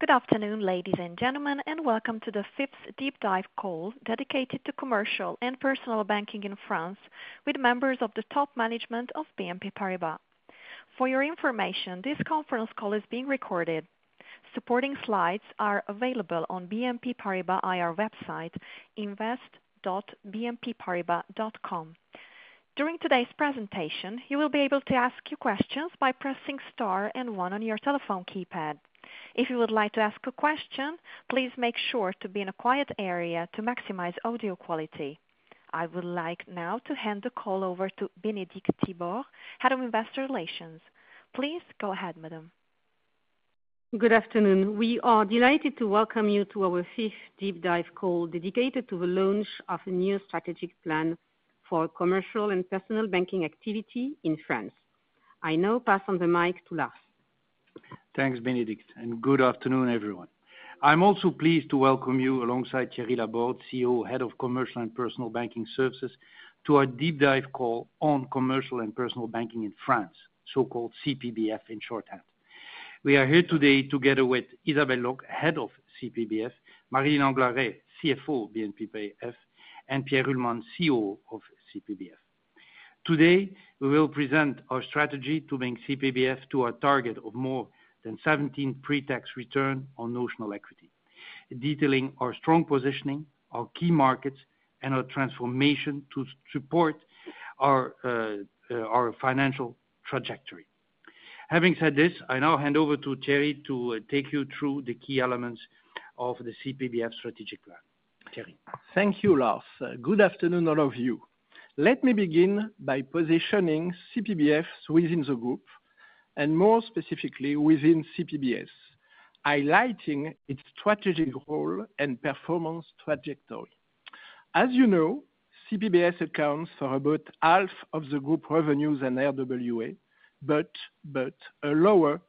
Good afternoon, ladies and gentlemen, and welcome to the fifth Deep Dive call dedicated to Commercial and Personal Banking in France with members of the top management of BNP Paribas. For your information, this conference call is being recorded. Supporting slides are available on bnpparibas.ir's website, invest.bnpparibas.com. During today's presentation, you will be able to ask your questions by pressing star and one on your telephone keypad. If you would like to ask a question, please make sure to be in a quiet area to maximize audio quality. I would like now to hand the call over to Bénédicte Thibord, Head of Investor Relations. Please go ahead, madame. Good afternoon. We are delighted to welcome you to our fifth Deep Dive call dedicated to the launch of a new strategic plan for commercial and personal banking activity in France. I now pass on the mic to Lars. Thanks, Bénédicte, and good afternoon, everyone. I'm also pleased to welcome you alongside Thierry Laborde, CEO, Head of Commercial and Personal Banking Services, to our Deep Dive call on Commercial and Personal Banking in France, so-called CPBF in short. We are here today together with Isabelle Loc, Head of CPBF, Maryline Anglaret, CFO of CPBF, and Pierre Ruhlmann, Chief Operating Officer of CPBF. Today, we will present our strategy to bring CPBF to our target of more than 17% pre-tax return on notional equity, detailing our strong positioning, our key markets, and our transformation to support our financial trajectory. Having said this, I now hand over to Thierry to take you through the key elements of the CPBF strategic plan. Thierry. Thank you, Lars. Good afternoon, all of you. Let me begin by positioning CPBF within the group, and more specifically within CPBS, highlighting its strategic role and performance trajectory. As you know, CPBS accounts for about half of the group revenues and RWA, but a lower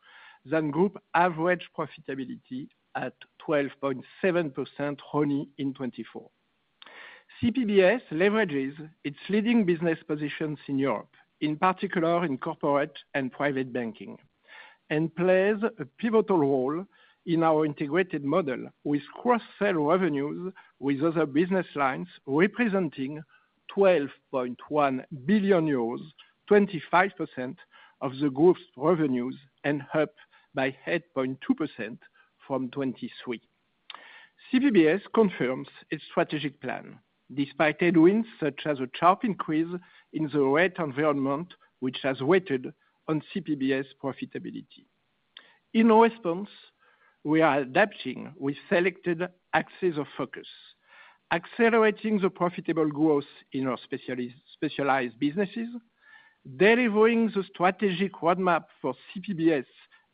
than group average profitability at 12.7% only in 2024. CPBS leverages its leading business positions in Europe, in particular in corporate and private banking, and plays a pivotal role in our integrated model with cross-sell revenues with other business lines representing 12.1 billion euros, 25% of the group's revenues, and up by 8.2% from 2023. CPBS confirms its strategic plan despite headwinds such as a sharp increase in the rate environment, which has weighted on CPBS profitability. In response, we are adapting with selected axes of focus, accelerating the profitable growth in our specialized businesses, delivering the strategic roadmap for CPBS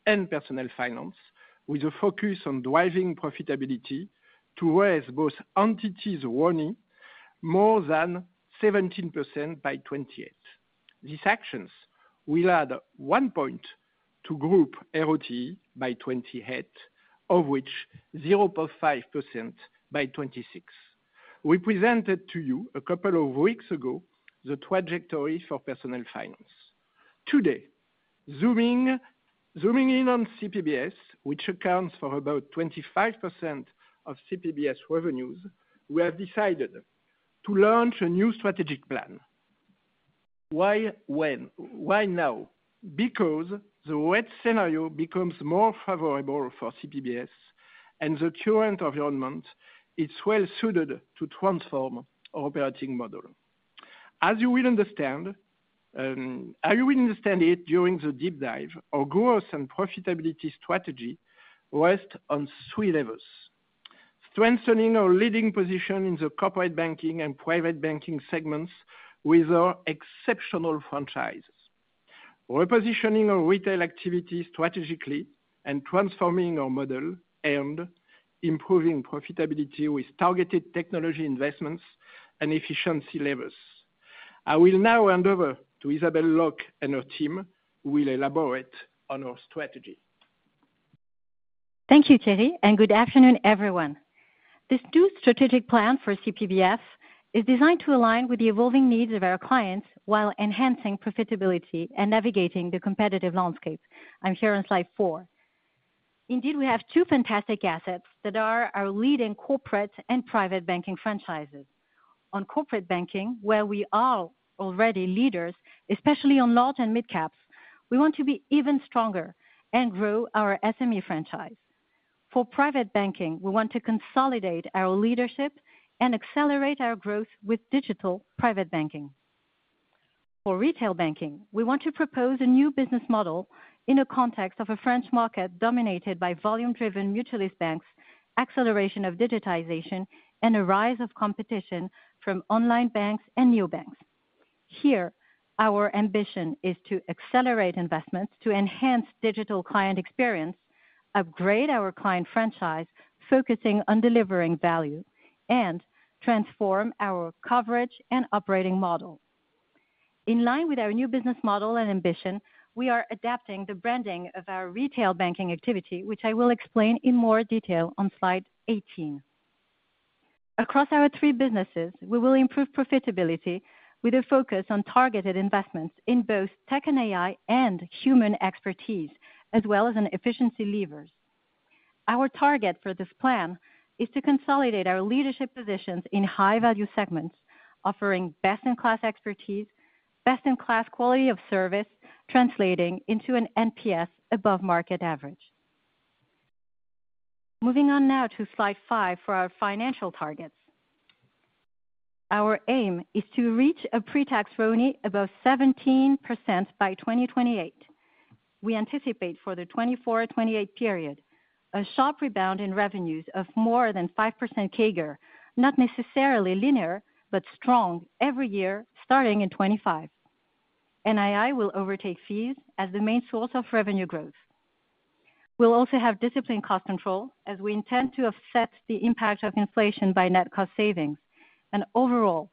and personal finance with a focus on driving profitability towards both entities only, more than 17% by 2028. These actions will add one point to Group ROTE by 2028, of which 0.5% by 2026. We presented to you a couple of weeks ago the trajectory for personal finance. Today, zooming in on CPBS, which accounts for about 25% of CPBS revenues, we have decided to launch a new strategic plan. Why now? Because the rate scenario becomes more favorable for CPBS and the current environment is well-suited to transform our operating model. As you will understand, during the Deep Dive, our growth and profitability strategy rests on three levels: strengthening our leading position in the corporate banking and private banking segments with our exceptional franchises, repositioning our retail activity strategically, and transforming our model and improving profitability with targeted technology investments and efficiency levels. I will now hand over to Isabelle Loc and her team, who will elaborate on our strategy. Thank you, Thierry, and good afternoon, everyone. This new strategic plan for CPBF is designed to align with the evolving needs of our clients while enhancing profitability and navigating the competitive landscape. I'm here on slide four. Indeed, we have two fantastic assets that are our leading corporate and private banking franchises. On corporate banking, where we are already leaders, especially on large and mid-caps, we want to be even stronger and grow our SME franchise. For private banking, we want to consolidate our leadership and accelerate our growth with digital private banking. For retail banking, we want to propose a new business model in a context of a French market dominated by volume-driven mutualist banks, acceleration of digitization, and a rise of competition from online banks and new banks. Here, our ambition is to accelerate investments to enhance digital client experience, upgrade our client franchise, focusing on delivering value, and transform our coverage and operating model. In line with our new business model and ambition, we are adapting the branding of our retail banking activity, which I will explain in more detail on slide 18. Across our three businesses, we will improve profitability with a focus on targeted investments in both tech and AI and human expertise, as well as efficiency levers. Our target for this plan is to consolidate our leadership positions in high-value segments, offering best-in-class expertise, best-in-class quality of service, translating into an NPS above market average. Moving on now to slide five for our financial targets. Our aim is to reach a pre-tax revenue above 17% by 2028. We anticipate for the 2024-2028 period a sharp rebound in revenues of more than 5% CAGR, not necessarily linear, but strong every year starting in 2025. NII will overtake fees as the main source of revenue growth. We will also have disciplined cost control, as we intend to offset the impact of inflation by net cost savings. Overall,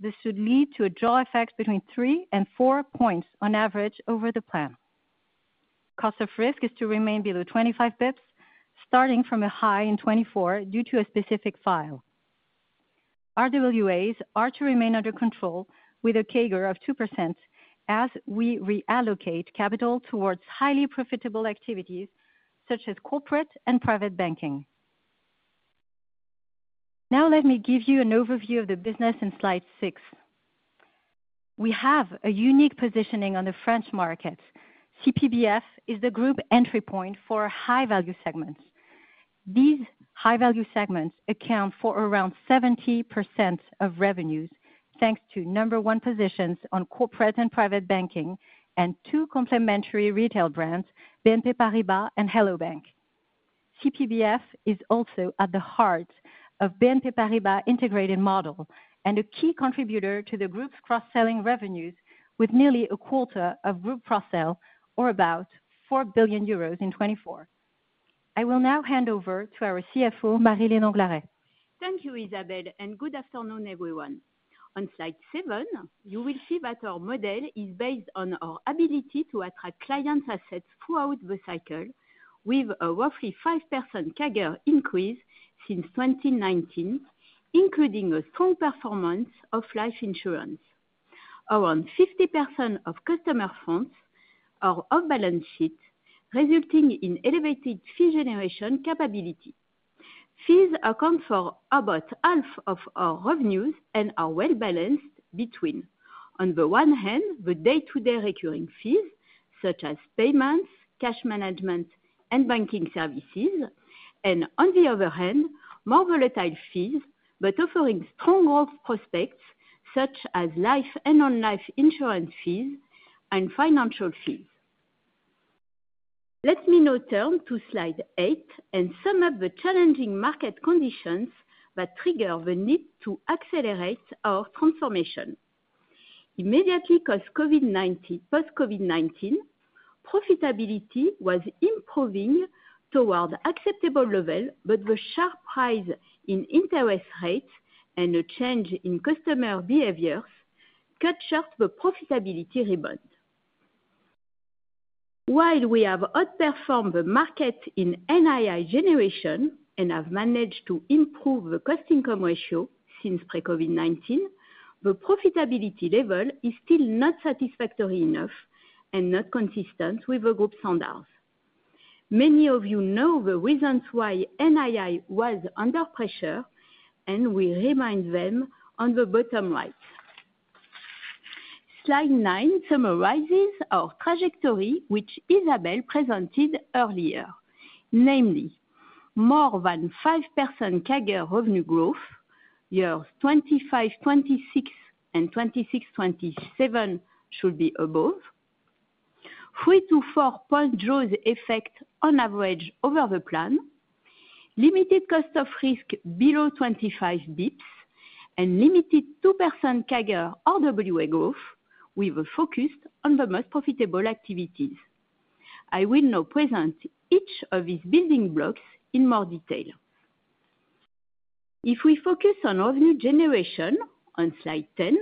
this should lead to a draw effect between three and four points on average over the plan. Cost of risk is to remain below 25 basis points, starting from a high in 2024 due to a specific file. RWAs are to remain under control with a CAGR of two percent as we reallocate capital towards highly profitable activities such as Corporate and Private banking. Now, let me give you an overview of the business in slide six. We have a unique positioning on the French market. CPBF is the group entry point for high-value segments. These high-value segments account for around 70% of revenues, thanks to number one positions on Corporate and Private Banking and two complementary retail brands, BNP Paribas and Hello bank!. CPBF is also at the heart of BNP Paribas' integrated model and a key contributor to the group's cross-selling revenues, with nearly a quarter of group cross-sell, or about 4 billion euros in 2024. I will now hand over to our CFO, Maryline Anglaret. Thank you, Isabelle, and good afternoon, everyone. On slide seven, you will see that our model is based on our ability to attract client assets throughout the cycle with a roughly five percent CAGR increase since 2019, including a strong performance of life insurance. Around 50% of customer funds are off-balance sheet, resulting in elevated fee generation capability. Fees account for about half of our revenues and are well-balanced between, on the one hand, the day-to-day recurring fees, such as payments, cash management, and banking services, and on the other hand, more volatile fees, but offering strong growth prospects, such as life and non-life insurance fees and financial fees. Let me now turn to slide eight and sum up the challenging market conditions that trigger the need to accelerate our transformation. Immediately post-COVID-19, profitability was improving toward acceptable level, but the sharp rise in interest rates and the change in customer behaviors cut short the profitability rebound. While we have outperformed the market in NII generation and have managed to improve the cost-income ratio since pre-COVID-19, the profitability level is still not satisfactory enough and not consistent with the group standards. Many of you know the reasons why NII was under pressure, and we remind them on the bottom right. Slide nine summarizes our trajectory, which Isabelle presented earlier, namely, more than five percent CAGR revenue growth, years 2025-2026 and 2026-2027 should be above, three to four point draws effect on average over the plan, limited cost of risk below 25 bips, and limited two percent CAGR RWA growth, with a focus on the most profitable activities. I will now present each of these building blocks in more detail. If we focus on revenue generation on slide 10,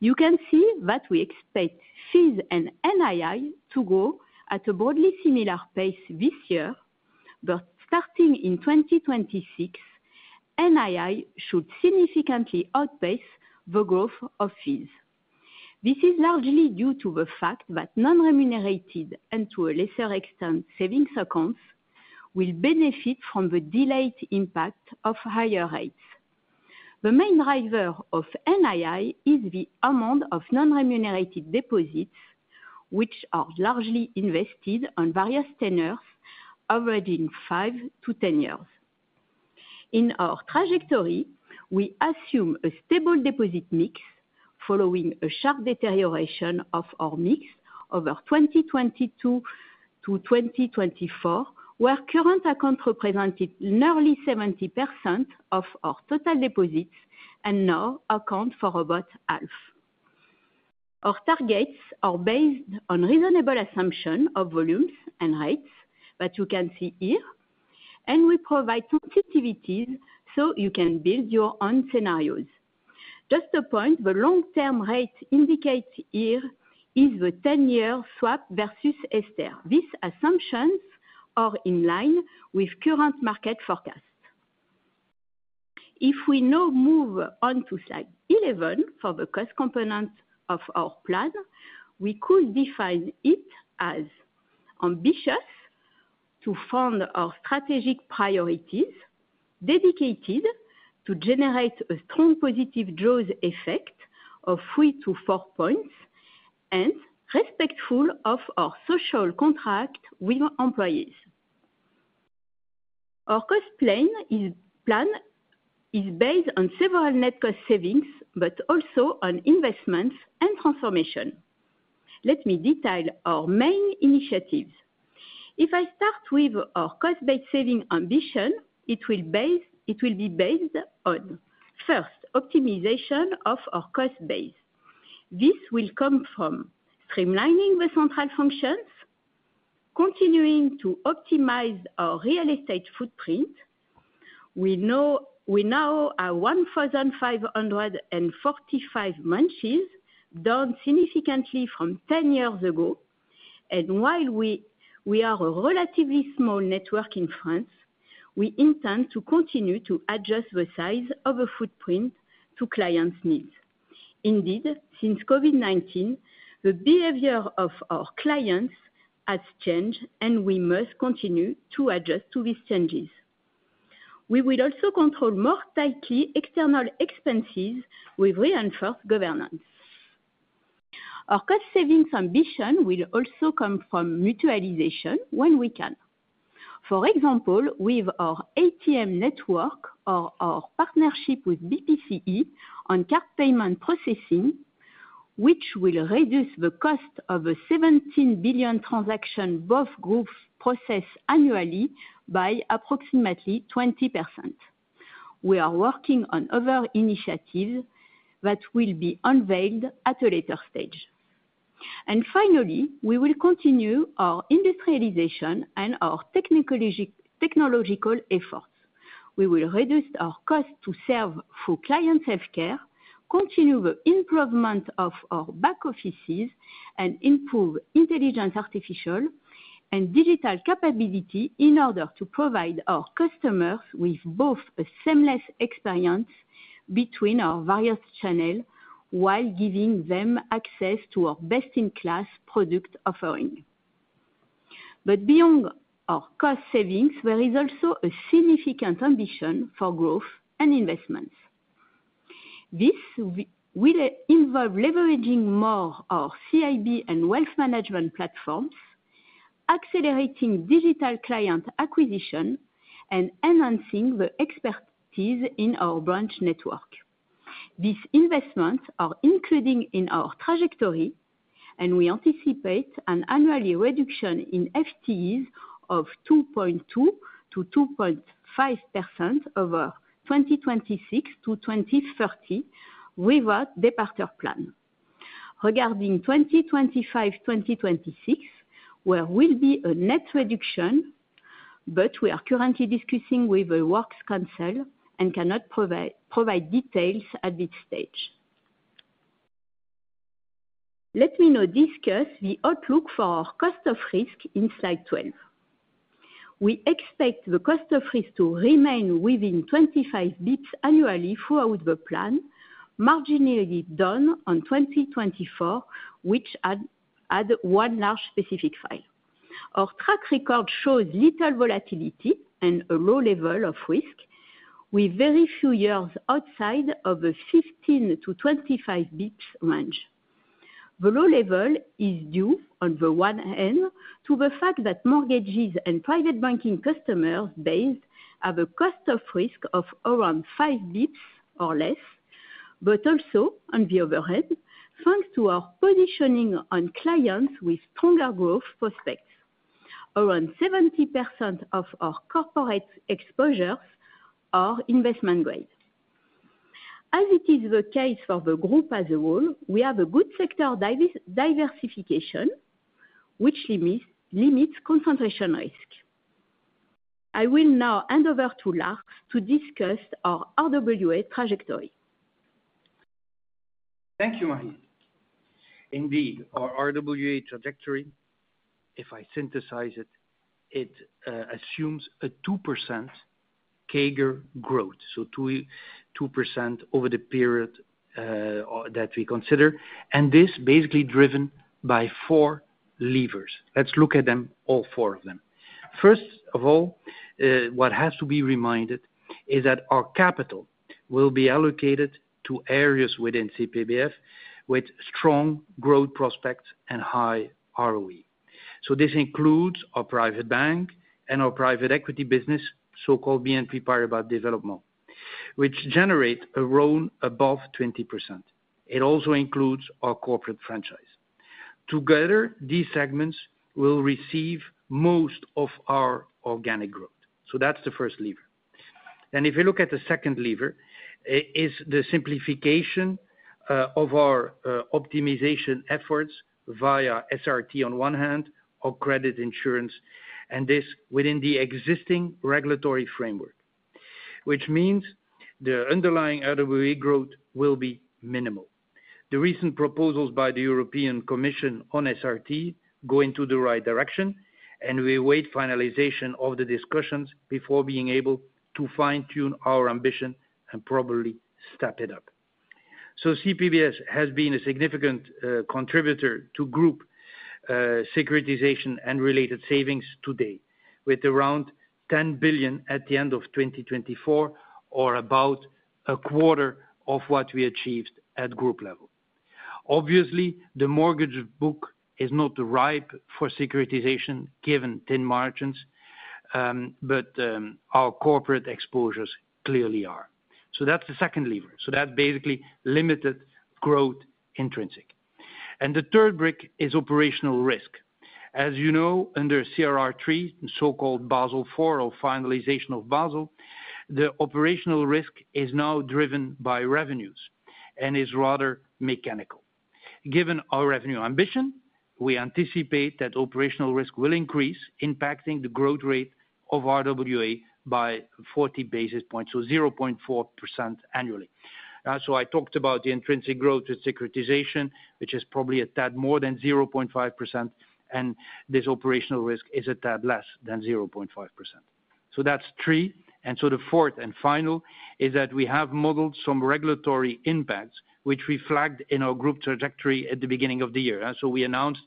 you can see that we expect fees and NII to grow at a broadly similar pace this year, but starting in 2026, NII should significantly outpace the growth of fees. This is largely due to the fact that non-remunerated and, to a lesser extent, savings accounts will benefit from the delayed impact of higher rates. The main driver of NII is the amount of non-remunerated deposits, which are largely invested on various tenors averaging five to 10 years. In our trajectory, we assume a stable deposit mix following a sharp deterioration of our mix over 2022-2024, where current accounts represented nearly 70% of our total deposits and now account for about half. Our targets are based on reasonable assumption of volumes and rates that you can see here, and we provide sensitivities so you can build your own scenarios. Just a point, the long-term rate indicated here is the 10-year swap versus ESTER. These assumptions are in line with current market forecasts. If we now move on to slide 11 for the cost component of our plan, we could define it as ambitious to fund our strategic priorities, dedicated to generate a strong positive draws effect of three to four points, and respectful of our social contract with employees. Our cost plan is based on several net cost savings, but also on investments and transformation. Let me detail our main initiatives. If I start with our cost-based saving ambition, it will be based on first optimization of our cost base. This will come from streamlining the central functions, continuing to optimize our real estate footprint. We now have 1,545 months down significantly from 10 years ago. While we are a relatively small network in France, we intend to continue to adjust the size of the footprint to clients' needs. Indeed, since COVID-19, the behavior of our clients has changed, and we must continue to adjust to these changes. We will also control more tightly external expenses with reinforced governance. Our cost savings ambition will also come from mutualization when we can. For example, with our ATM network or our partnership with BPCE on card payment processing, which will reduce the cost of a 17 billion transaction both groups process annually by approximately 20%. We are working on other initiatives that will be unveiled at a later stage. Finally, we will continue our industrialization and our technological efforts. We will reduce our cost to serve for client healthcare, continue the improvement of our back offices, and improve intelligence, artificial, and digital capability in order to provide our customers with both a seamless experience between our various channels while giving them access to our best-in-class product offering. Beyond our cost savings, there is also a significant ambition for growth and investments. This will involve leveraging more of CIB and Wealth Management platforms, accelerating digital client acquisition, and enhancing the expertise in our branch network. These investments are included in our trajectory, and we anticipate an annual reduction in FTEs of 2.2%-2.5% over 2026-2030 with our departure plan. Regarding 2025-2026, there will be a net reduction, but we are currently discussing with the works council and cannot provide details at this stage. Let me now discuss the outlook for our cost of risk in slide 12. We expect the cost of risk to remain within 25 bips annually throughout the plan, marginally down on 2024, which adds one large specific file. Our track record shows little volatility and a low level of risk with very few years outside of the 15-25 bips range. The low level is due, on the one hand, to the fact that mortgages and private banking customers base have a cost of risk of around five bips or less, but also, on the other hand, thanks to our positioning on clients with stronger growth prospects, around 70% of our corporate exposures are investment grade. As it is the case for the group as a whole, we have a good sector diversification, which limits concentration risk. I will now hand over to Lars to discuss our RWA trajectory. Thank you, Maryline. Indeed, our RWA trajectory, if I synthesize it, it assumes a two percent CAGR growth, so two percent over the period that we consider. This is basically driven by four levers. Let's look at them, all four of them. First of all, what has to be reminded is that our capital will be allocated to areas within CPBF with strong growth prospects and high ROE. This includes our private bank and our private equity business, so-called BNP Paribas Development, which generates a RONE above 20%. It also includes our corporate franchise. Together, these segments will receive most of our organic growth. That's the first lever. If you look at the second lever, it is the simplification of our optimization efforts via SRT on one hand, or credit insurance, and this within the existing regulatory framework, which means the underlying RWA growth will be minimal. The recent proposals by the European Commission on SRT go into the right direction, and we await finalization of the discussions before being able to fine-tune our ambition and probably step it up. CPBS has been a significant contributor to group securitization and related savings today, with around 10 billion at the end of 2024, or about a quarter of what we achieved at group level. Obviously, the mortgage book is not ripe for securitization, given thin margins, but our corporate exposures clearly are. That is the second lever. That basically limited growth intrinsic. The third brick is operational risk. As you know, under CRR III, the so-called Basel IV or finalization of Basel III, the operational risk is now driven by revenues and is rather mechanical. Given our revenue ambition, we anticipate that operational risk will increase, impacting the growth rate of RWA by 40 basis points, so 0.4% annually. I talked about the intrinsic growth with securitization, which is probably a tad more than 0.5%, and this operational risk is a tad less than 0.5%. That is three. The fourth and final is that we have modeled some regulatory impacts, which we flagged in our group trajectory at the beginning of the year. We announced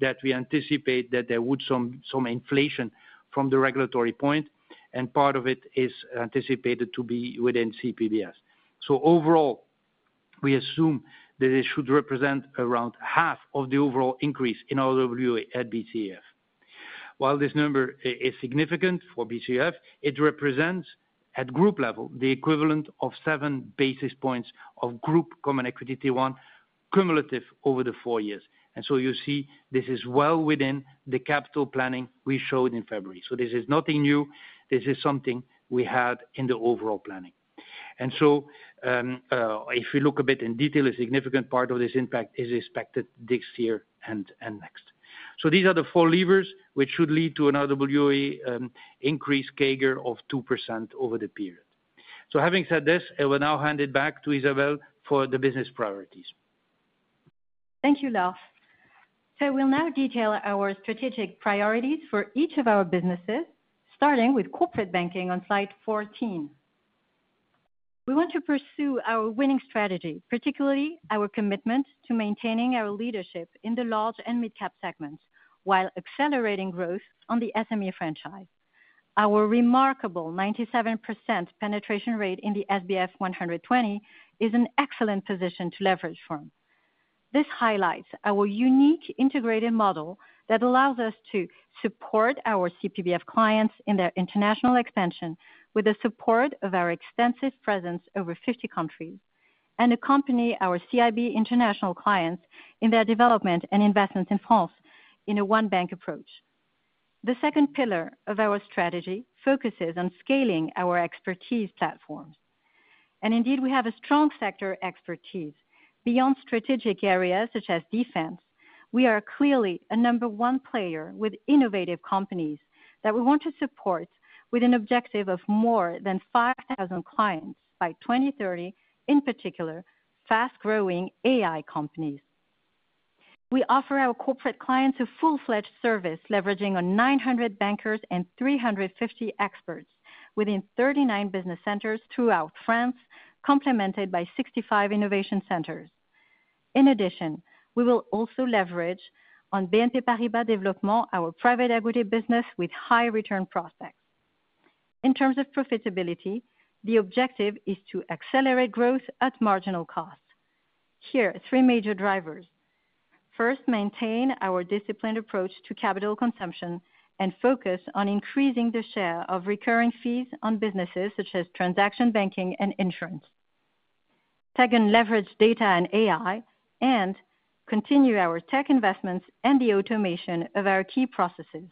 that we anticipate that there would be some inflation from the regulatory point, and part of it is anticipated to be within CPBS. Overall, we assume that it should represent around half of the overall increase in RWA at BCEF. While this number is significant for BCEF, it represents at group level the equivalent of seven basis points of Group Common Equity Tier 1 cumulative over the four years. This is well within the capital planning we showed in February. This is nothing new. This is something we had in the overall planning. If we look a bit in detail, a significant part of this impact is expected this year and next. These are the four levers which should lead to an RWA increase CAGR of two percent over the period. Having said this, I will now hand it back to Isabelle for the business priorities. Thank you, Lars. We will now detail our strategic priorities for each of our businesses, starting with corporate banking on slide 14. We want to pursue our winning strategy, particularly our commitment to maintaining our leadership in the large and mid-cap segments while accelerating growth on the SME franchise. Our remarkable 97% penetration rate in the SBF 120 is an excellent position to leverage from. This highlights our unique integrated model that allows us to support our CPBF clients in their international expansion with the support of our extensive presence in over 50 countries and accompany our CIB international clients in their development and investments in France in a One Bank approach. The second pillar of our strategy focuses on scaling our expertise platforms. We have a strong sector expertise. Beyond strategic areas such as defense, we are clearly a number one player with innovative companies that we want to support with an objective of more than 5,000 clients by 2030, in particular, fast-growing AI companies. We offer our corporate clients a full-fledged service leveraging on 900 bankers and 350 experts within 39 business centers throughout France, complemented by 65 innovation centers. In addition, we will also leverage on BNP Paribas Development, our private equity business with high return prospects. In terms of profitability, the objective is to accelerate growth at marginal cost. Here, three major drivers. First, maintain our disciplined approach to capital consumption and focus on increasing the share of recurring fees on businesses such as transaction banking and insurance. Second, leverage data and AI and continue our tech investments and the automation of our key processes.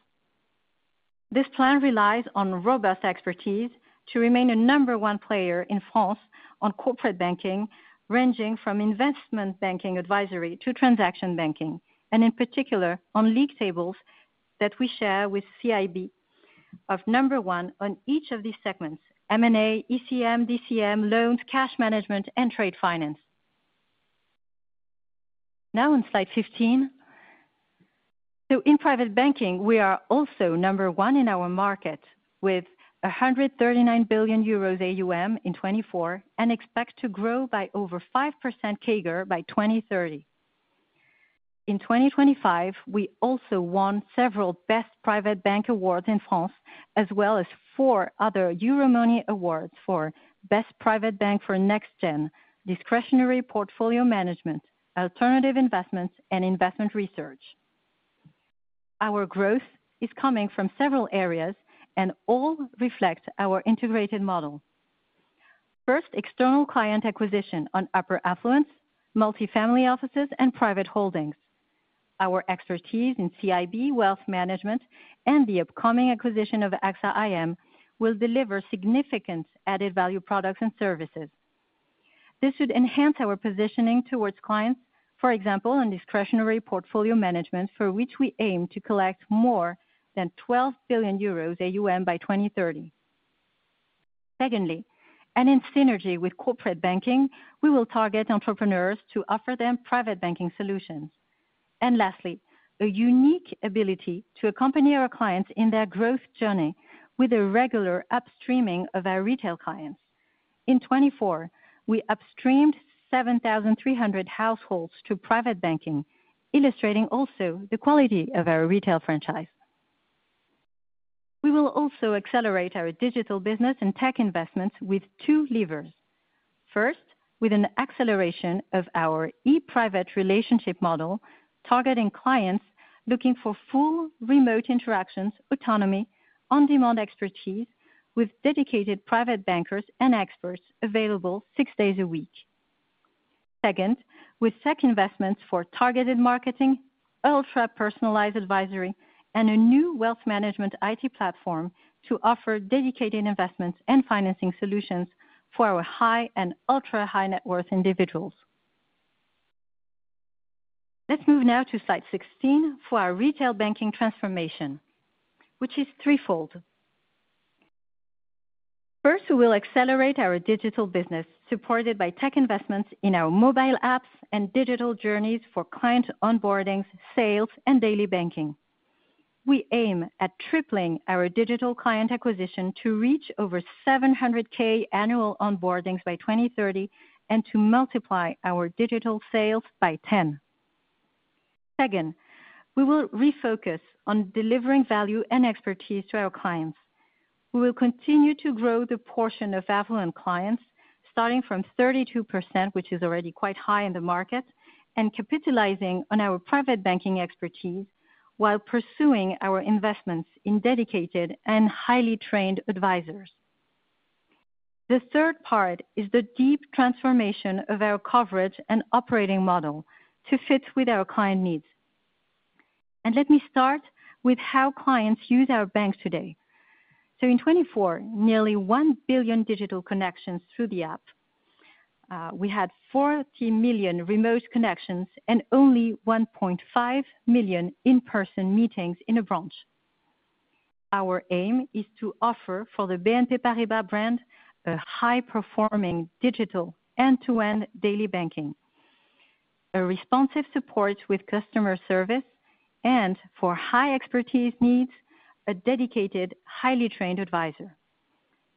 This plan relies on robust expertise to remain a number one player in France on corporate banking, ranging from investment banking advisory to transaction banking, and in particular, on league tables that we share with CIB, of number one on each of these segments: M&A, ECM, DCM, loans, cash management, and trade finance. Now on slide 15. In private banking, we are also number one in our market with 139 billion euros AUM in 2024 and expect to grow by over five percent CAGR by 2030. In 2025, we also won several Best Private Bank awards in France, as well as four other Euromoney awards for Best Private Bank for Next Gen, Discretionary Portfolio Management, Alternative Investments, and Investment Research. Our growth is coming from several areas and all reflect our integrated model. First, external client acquisition on upper affluence, multifamily offices, and private holdings. Our expertise in CIB Wealth Management and the upcoming acquisition of AXA IM will deliver significant added value products and services. This should enhance our positioning towards clients, for example, on discretionary portfolio management, for which we aim to collect more than 12 billion euros AUM by 2030. Secondly, and in synergy with corporate banking, we will target entrepreneurs to offer them private banking solutions. Lastly, a unique ability to accompany our clients in their growth journey with a regular upstreaming of our retail clients. In 2024, we upstreamed 7,300 households to Private Banking, illustrating also the quality of our retail franchise. We will also accelerate our digital business and tech investments with two levers. First, with an acceleration of our e-Private relationship model, targeting clients looking for full remote interactions, autonomy, on-demand expertise with dedicated private bankers and experts available six days a week. Second, with tech investments for targeted marketing, ultra-personalized advisory, and a new Wealth Management IT platform to offer dedicated investments and financing solutions for our high and ultra-high net worth individuals. Let's move now to slide 16 for our retail banking transformation, which is threefold. First, we will accelerate our digital business supported by tech investments in our mobile apps and digital journeys for client onboardings, sales, and daily banking. We aim at tripling our digital client acquisition to reach over 700,000 annual onboardings by 2030 and to multiply our digital sales by 10. Second, we will refocus on delivering value and expertise to our clients. We will continue to grow the portion of affluent clients, starting from 32%, which is already quite high in the market, and capitalizing on our private banking expertise while pursuing our investments in dedicated and highly trained advisors. The third part is the deep transformation of our coverage and operating model to fit with our client needs. Let me start with how clients use our bank today. In 2024, nearly one billion digital connections through the app. We had 40 million remote connections and only 1.5 million in-person meetings in a branch. Our aim is to offer for the BNP Paribas brand a high-performing digital end-to-end daily banking, a responsive support with customer service, and for high expertise needs, a dedicated, highly trained advisor.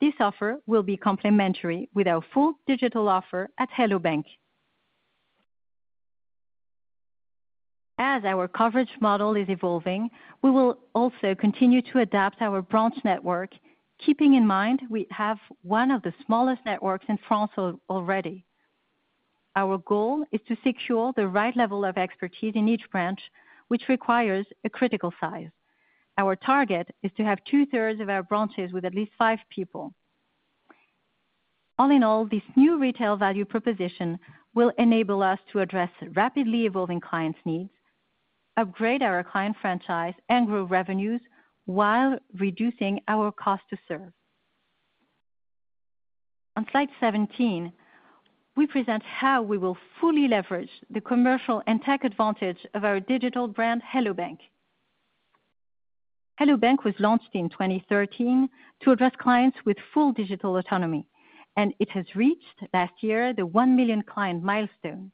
This offer will be complementary with our full digital offer at Hello bank!. As our coverage model is evolving, we will also continue to adapt our branch network, keeping in mind we have one of the smallest networks in France already. Our goal is to secure the right level of expertise in each branch, which requires a critical size. Our target is to have two-thirds of our branches with at least five people. All in all, this new retail value proposition will enable us to address rapidly evolving clients' needs, upgrade our client franchise, and grow revenues while reducing our cost to serve. On slide 17, we present how we will fully leverage the commercial and tech advantage of our digital brand, Hello bank!. Hello bank! was launched in 2013 to address clients with full digital autonomy, and it has reached last year the one million client milestone.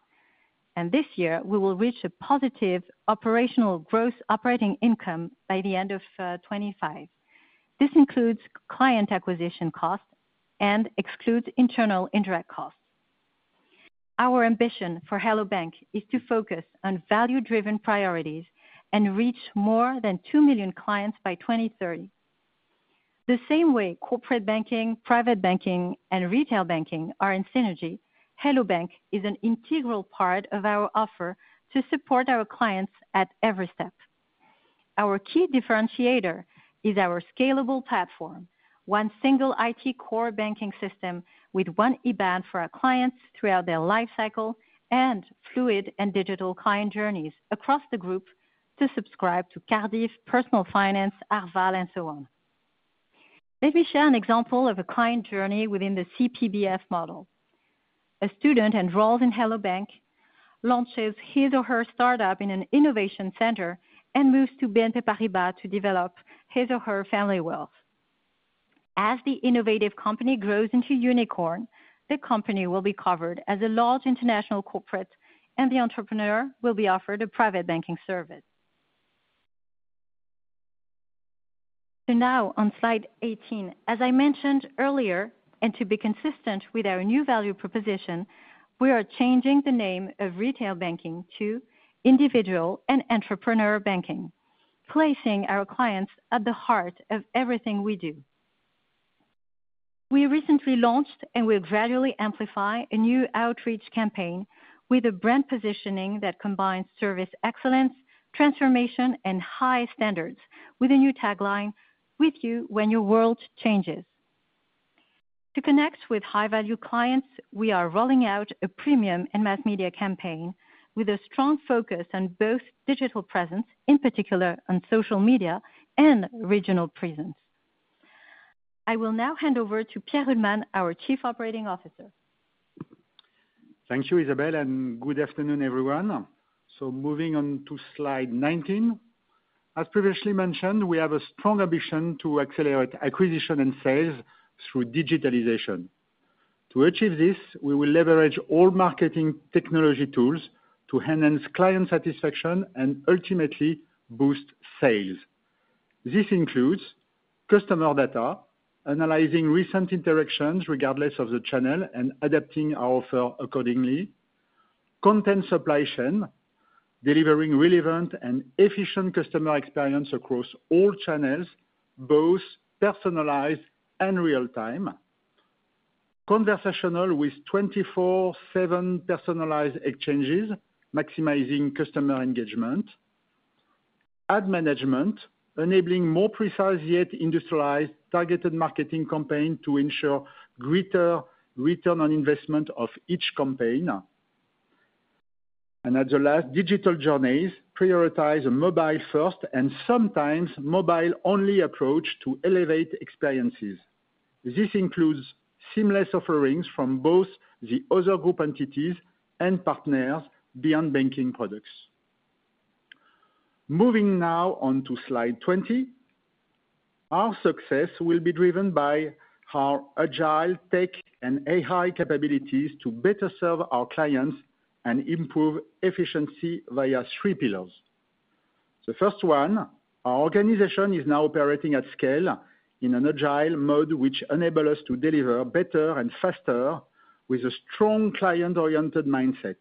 This year, we will reach a positive operational gross operating income by the end of 2025. This includes client acquisition costs and excludes internal indirect costs. Our ambition for Hello bank! is to focus on value-driven priorities and reach more than two million clients by 2030. The same way Corporate Banking, Private Banking, and Retail Banking are in synergy, Hello bank! is an integral part of our offer to support our clients at every step. Our key differentiator is our scalable platform, one single IT core banking system with one IBAN for our clients throughout their life cycle and fluid and digital client journeys across the group to subscribe to Cardif, Personal Finance, Arval, and so on. Let me share an example of a client journey within the CPBF model. A student enrolls in Hello bank!, launches his or her startup in an innovation center, and moves to BNP Paribas to develop his or her family wealth. As the innovative company grows into unicorn, the company will be covered as a large international corporate, and the entrepreneur will be offered a private banking service. Now on slide 18, as I mentioned earlier, and to be consistent with our new value proposition, we are changing the name of Retail Banking to Individual and Entrepreneur Banking, placing our clients at the heart of everything we do. We recently launched and will gradually amplify a new outreach campaign with a brand positioning that combines service excellence, transformation, and high standards with a new tagline, "With you when your world changes." To connect with high-value clients, we are rolling out a premium and mass media campaign with a strong focus on both digital presence, in particular on social media and regional presence. I will now hand over to Pierre Ruhlmann, our Chief Operating Officer. Thank you, Isabelle, and good afternoon, everyone. Moving on to slide 19. As previously mentioned, we have a strong ambition to accelerate acquisition and sales through digitalization. To achieve this, we will leverage all marketing technology tools to enhance client satisfaction and ultimately boost sales. This includes customer data, analyzing recent interactions regardless of the channel and adapting our offer accordingly, content supply chain, delivering relevant and efficient customer experience across all channels, both personalized and real-time, conversational with 24/7 personalized exchanges, maximizing customer engagement, ad management, enabling more precise yet industrialized targeted marketing campaign to ensure greater return on investment of each campaign, and at the last, digital journeys, prioritize a mobile-first and sometimes mobile-only approach to elevate experiences. This includes seamless offerings from both the other group entities and partners beyond banking products. Moving now on to slide 20, our success will be driven by our agile tech and AI capabilities to better serve our clients and improve efficiency via three pillars. The first one, our organization is now operating at scale in an agile mode, which enables us to deliver better and faster with a strong client-oriented mindset,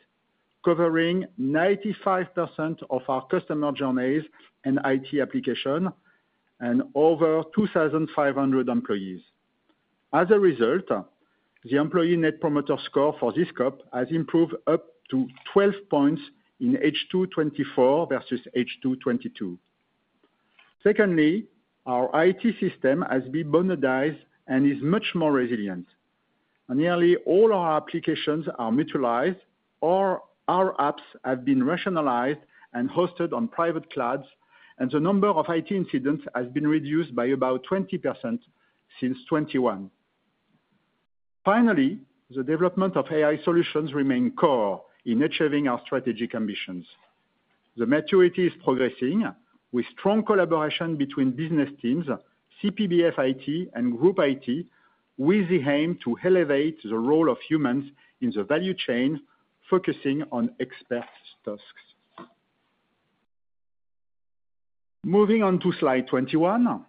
covering 95% of our customer journeys and IT applications and over 2,500 employees. As a result, the employee net promoter score for this COP has improved up to 12 points in H2 2024 versus H2 2022. Secondly, our IT system has been modernized and is much more resilient. Nearly all our applications are mutualized, or our apps have been rationalized and hosted on private clouds, and the number of IT incidents has been reduced by about 20% since 2021. Finally, the development of AI solutions remains core in achieving our strategic ambitions. The maturity is progressing with strong collaboration between business teams, CPBF IT, and Group IT, with the aim to elevate the role of humans in the value chain, focusing on expert tasks. Moving on to slide 21,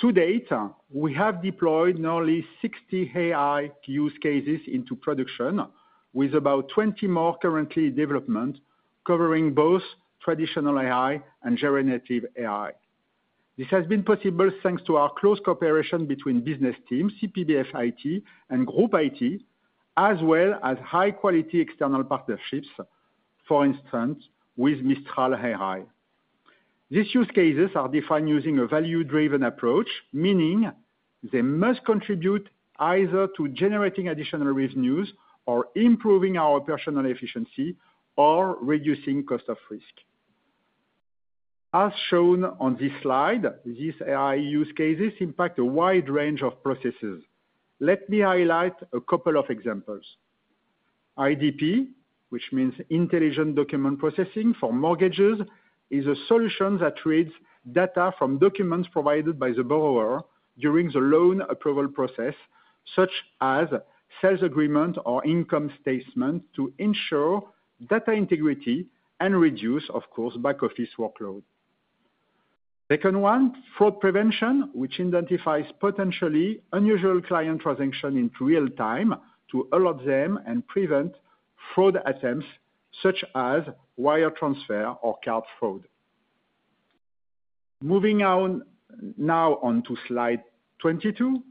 to date, we have deployed nearly 60 AI use cases into production, with about 20 more currently in development, covering both traditional AI and generative AI. This has been possible thanks to our close cooperation between business teams, CPBF IT and Group IT, as well as high-quality external partnerships, for instance, with Mistral AI. These use cases are defined using a value-driven approach, meaning they must contribute either to generating additional revenues or improving our operational efficiency or reducing cost of risk. As shown on this slide, these AI use cases impact a wide range of processes. Let me highlight a couple of examples. IDP, which means Intelligent Document Processing for mortgages, is a solution that reads data from documents provided by the borrower during the loan approval process, such as sales agreement or income statement, to ensure data integrity and reduce, of course, back-office workload. Second one, fraud prevention, which identifies potentially unusual client transactions in real time to alert them and prevent fraud attempts, such as wire transfer or card fraud. Moving on now on to slide 22,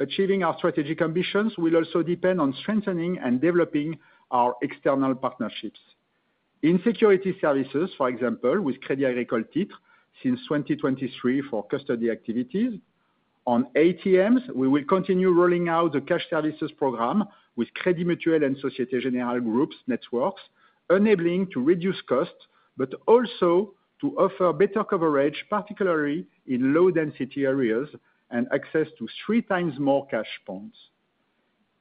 achieving our strategic ambitions will also depend on strengthening and developing our external partnerships. In Securities Services, for example, with Crédit Agricole Titres since 2023 for custody activities. On ATMs, we will continue rolling out the cash services program with Crédit Mutuel and Société Générale Group's networks, enabling reduced costs, but also to offer better coverage, particularly in low-density areas and access to three times more cash points.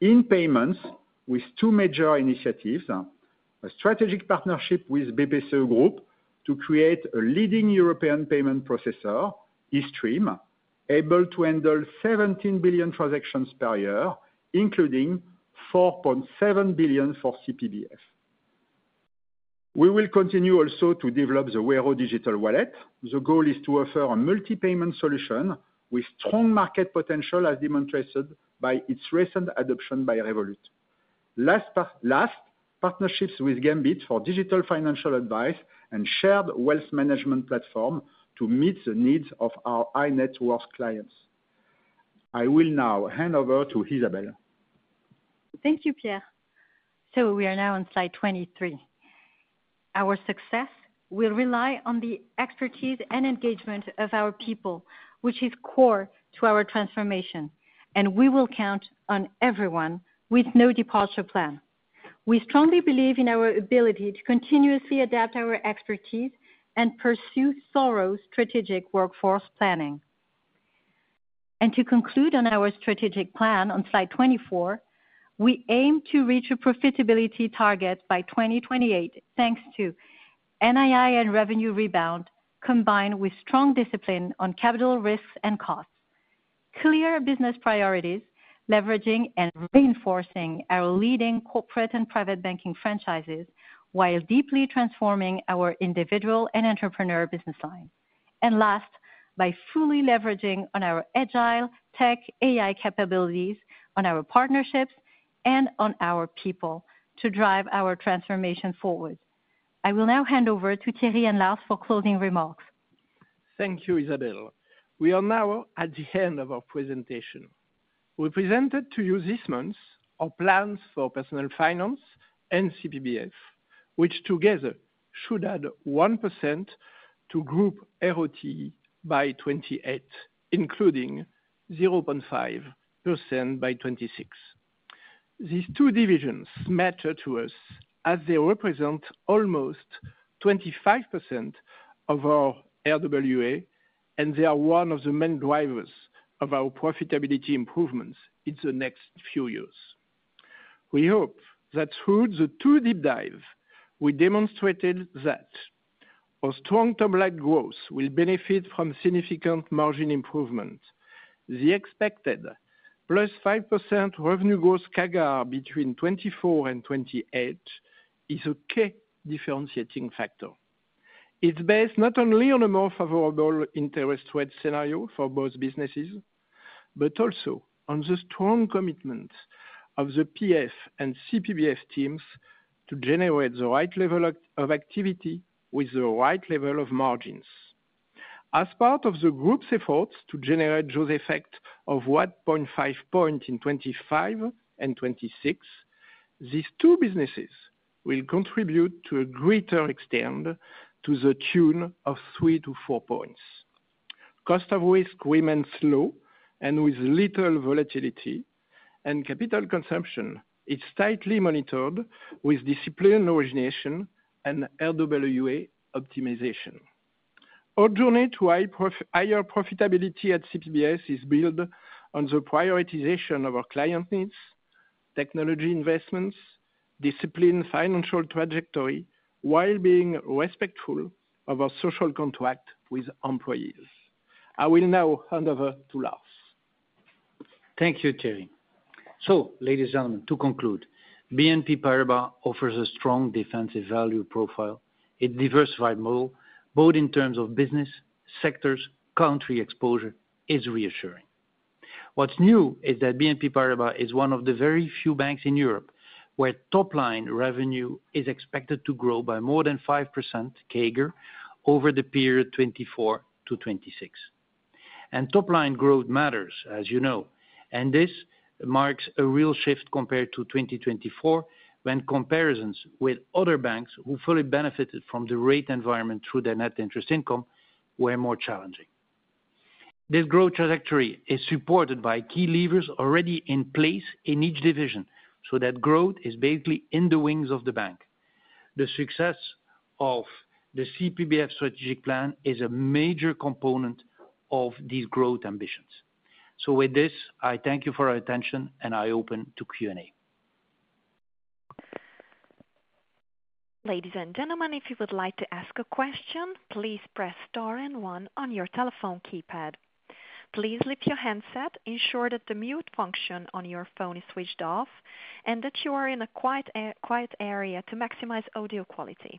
In payments, with two major initiatives, a strategic partnership with BPC Group to create a leading European payment processor, Estreem, able to handle 17 billion transactions per year, including 4.7 billion for CPBF. We will continue also to develop the Wero digital wallet. The goal is to offer a multi-payment solution with strong market potential, as demonstrated by its recent adoption by Revolut. Last, partnerships with Gambit for digital financial advice and shared Wealth Management platform to meet the needs of our high-net-worth clients. I will now hand over to Isabelle. Thank you, Pierre. We are now on slide 23. Our success will rely on the expertise and engagement of our people, which is core to our transformation, and we will count on everyone with no departure plan. We strongly believe in our ability to continuously adapt our expertise and pursue thorough strategic workforce planning. To conclude on our strategic plan on slide 24, we aim to reach a profitability target by 2028, thanks to NII and revenue rebound combined with strong discipline on capital risks and costs, clear business priorities, leveraging and reinforcing our leading corporate and private banking franchises, while deeply transforming our individual and entrepreneur business line. Last, by fully leveraging our agile tech, AI capabilities on our partnerships and on our people to drive our transformation forward. I will now hand over to Thierry and Lars for closing remarks. Thank you, Isabelle. We are now at the end of our presentation. We presented to you this month our plans for personal finance and CPBF, which together should add one percent to Group ROTE by 2028, including 0.5% by 2026. These two divisions matter to us as they represent almost 25% of our RWA, and they are one of the main drivers of our profitability improvements in the next few years. We hope that through the two deep dives, we demonstrated that our strong term-like growth will benefit from significant margin improvement. The expected plus five percent revenue growth CAGR between 2024 and 2028 is a key differentiating factor. It's based not only on a more favorable interest rate scenario for both businesses, but also on the strong commitment of the PF and CPBF teams to generate the right level of activity with the right level of margins. As part of the group's efforts to generate those effects of 1.5 points in 2025 and 2026, these two businesses will contribute to a greater extent to the tune of three to four points. Cost of risk remains low and with little volatility, and capital consumption is tightly monitored with disciplined origination and RWA optimization. Our journey to higher profitability at CPBF is built on the prioritization of our client needs, technology investments, discipline, financial trajectory, while being respectful of our social contract with employees. I will now hand over to Lars. Thank you, Thierry. Ladies and gentlemen, to conclude, BNP Paribas offers a strong defensive value profile. Its diversified model, both in terms of business sectors and country exposure, is reassuring. What's new is that BNP Paribas is one of the very few banks in Europe where top-line revenue is expected to grow by more than five percent CAGR over the period 2024-2026. Top-line growth matters, as you know, and this marks a real shift compared to 2024, when comparisons with other banks who fully benefited from the rate environment through their net interest income were more challenging. This growth trajectory is supported by key levers already in place in each division, so that growth is basically in the wings of the bank. The success of the CPBF strategic plan is a major component of these growth ambitions. With this, I thank you for your attention, and I open to Q&A. Ladies and gentlemen, if you would like to ask a question, please press star and one on your telephone keypad. Please leave your handset, ensure that the mute function on your phone is switched off, and that you are in a quiet area to maximize audio quality.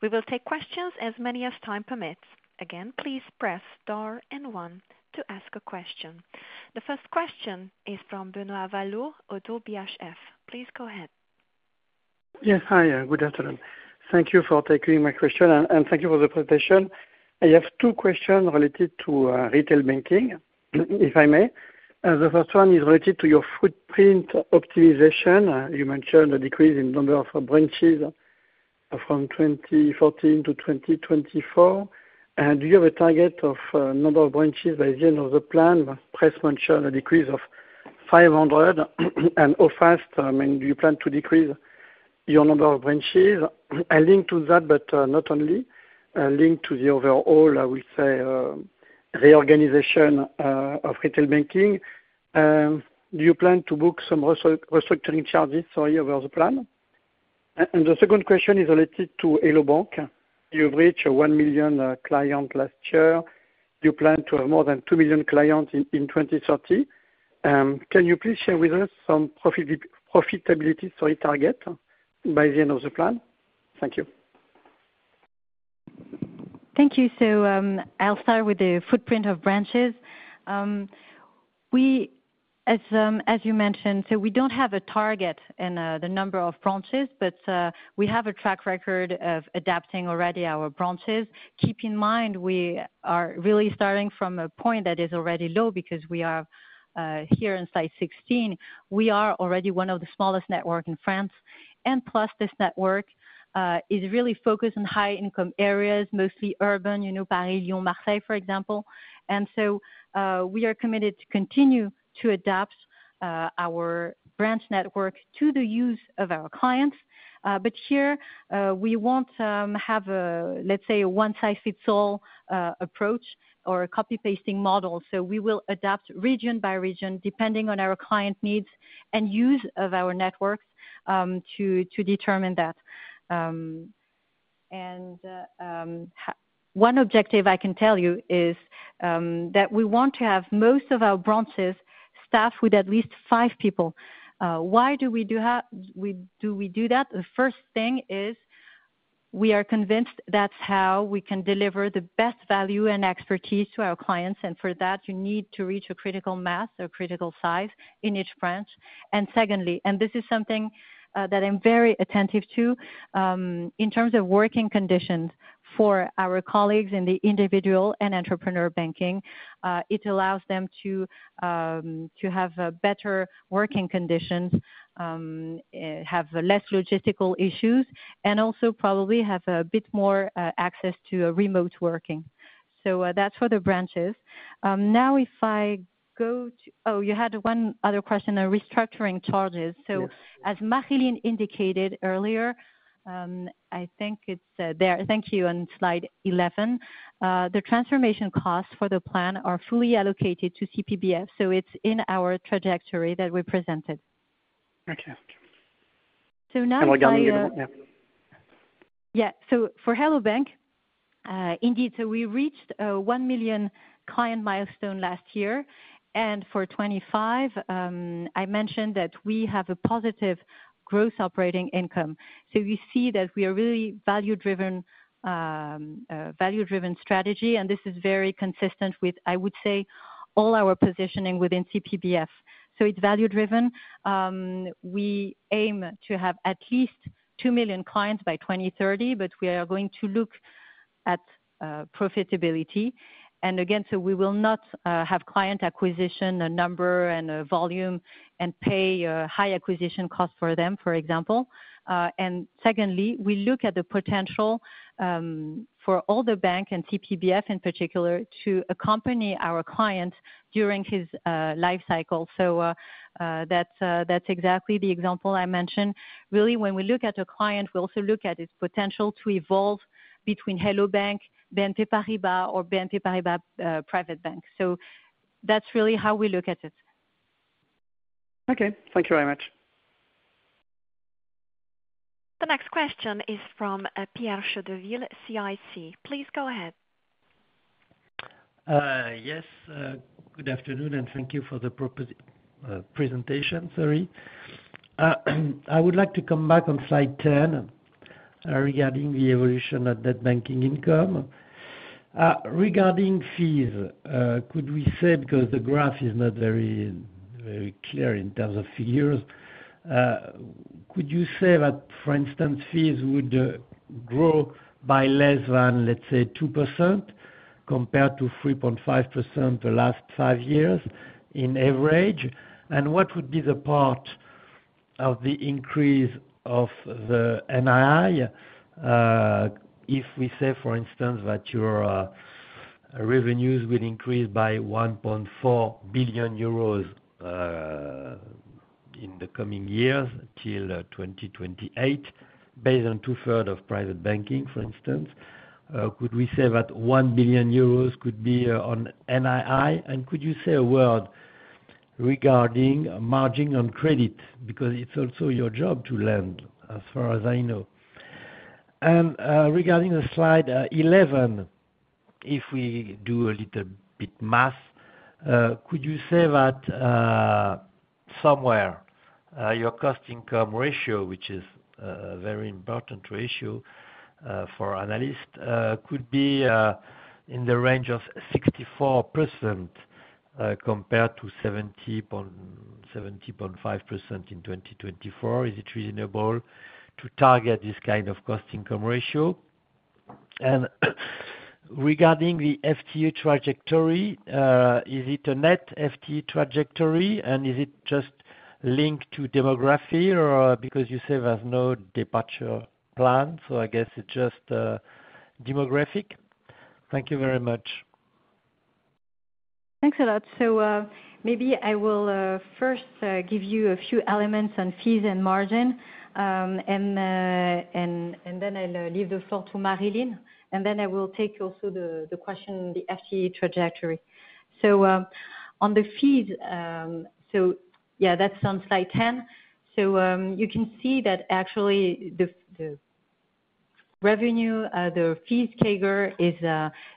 We will take questions as many as time permits. Again, please press star and one to ask a question. The first question is from Benoit Valleaux, ODDO BHF. Please go ahead. Yes, hi, good afternoon. Thank you for taking my question, and thank you for the presentation. I have two questions related to Retail Banking, if I may. The first one is related to your footprint optimization. You mentioned a decrease in the number of branches from 2014-024. Do you have a target of number of branches by the end of the plan? Press mentioned a decrease of 500, and how fast do you plan to decrease your number of branches? A link to that, but not only, a link to the overall, I would say, reorganization of retail banking. Do you plan to book some restructuring charges, sorry, over the plan? The second question is related to Hello bank!. You reached one million clients last year. You plan to have more than two million clients in 2030. Can you please share with us some profitability, sorry, target by the end of the plan? Thank you. Thank you. I'll start with the footprint of branches. As you mentioned, we don't have a target in the number of branches, but we have a track record of adapting already our branches. Keep in mind, we are really starting from a point that is already low because we are here in slide 16. We are already one of the smallest networks in France, and this network is really focused on high-income areas, mostly urban, you know, Paris, Lyon, Marseille, for example. We are committed to continue to adapt our branch network to the use of our clients. Here, we won't have, let's say, a one-size-fits-all approach or a copy-pasting model. We will adapt region by region depending on our client needs and use of our networks to determine that. One objective I can tell you is that we want to have most of our branches staffed with at least five people. Why do we do that? The first thing is we are convinced that is how we can deliver the best value and expertise to our clients. For that, you need to reach a critical mass or critical size in each branch. Secondly, and this is something that I am very attentive to, in terms of working conditions for our colleagues in the individual and entrepreneur banking, it allows them to have better working conditions, have fewer logistical issues, and also probably have a bit more access to remote working. That is for the branches. Now, if I go to, oh, you had one other question on restructuring charges. As Maryline indicated earlier, I think it is there. Thank you. On slide 11, the transformation costs for the plan are fully allocated to CPBF. It is in our trajectory that we presented. Okay. So now. Can we get on the other one? Yeah. For Hello bank!, indeed, we reached a one million client milestone last year. For 2025, I mentioned that we have a positive gross operating income. You see that we are really value-driven, value-driven strategy. This is very consistent with, I would say, all our positioning within CPBF. It is value-driven. We aim to have at least two million clients by 2030, but we are going to look at profitability. Again, we will not have client acquisition, a number and a volume, and pay high acquisition costs for them, for example. Secondly, we look at the potential for all the bank and CPBF in particular to accompany our clients during his lifecycle. That is exactly the example I mentioned. Really, when we look at a client, we also look at its potential to evolve between Hello bank!, BNP Paribas, or BNP Paribas Private Bank. So that's really how we look at it. Okay. Thank you very much. The next question is from Pierre Chédeville, CIC. Please go ahead. Yes. Good afternoon, and thank you for the presentation, Thierry. I would like to come back on slide 10 regarding the evolution of net banking income. Regarding fees, could we say, because the graph is not very clear in terms of figures, could you say that, for instance, fees would grow by less than, let's say, two percent compared to 3.5% the last five years in average? Could you say what would be the part of the increase of the NII if we say, for instance, that your revenues will increase by 1.4 billion euros in the coming years till 2028, based on two-thirds of Private Banking, for instance? Could we say that 1 billion euros could be on NII? Could you say a word regarding margin on credit? Because it's also your job to lend, as far as I know. Regarding slide 11, if we do a little bit math, could you say that somewhere your cost-income ratio, which is a very important ratio for analysts, could be in the range of 64% compared to 70.5% in 2024? Is it reasonable to target this kind of cost-income ratio? Regarding the FTE trajectory, is it a net FTE trajectory, and is it just linked to demography, or because you said there's no departure plan, so I guess it's just demographic? Thank you very much. Thanks a lot. Maybe I will first give you a few elements on fees and margin, and then I'll leave the floor to Maryline, and then I will take also the question, the FTE trajectory. On the fees, that's on slide 10. You can see that actually the revenue, the fees CAGR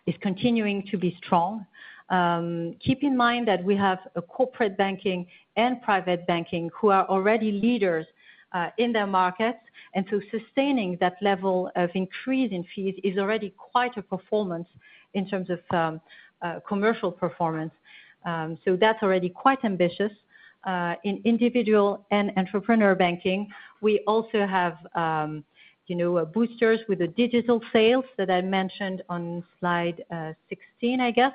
is continuing to be strong. Keep in mind that we have Corporate Banking and Private Banking who are already leaders in their markets, and sustaining that level of increase in fees is already quite a performance in terms of commercial performance. That's already quite ambitious. In individual and entrepreneur banking, we also have boosters with the digital sales that I mentioned on slide 16, I guess.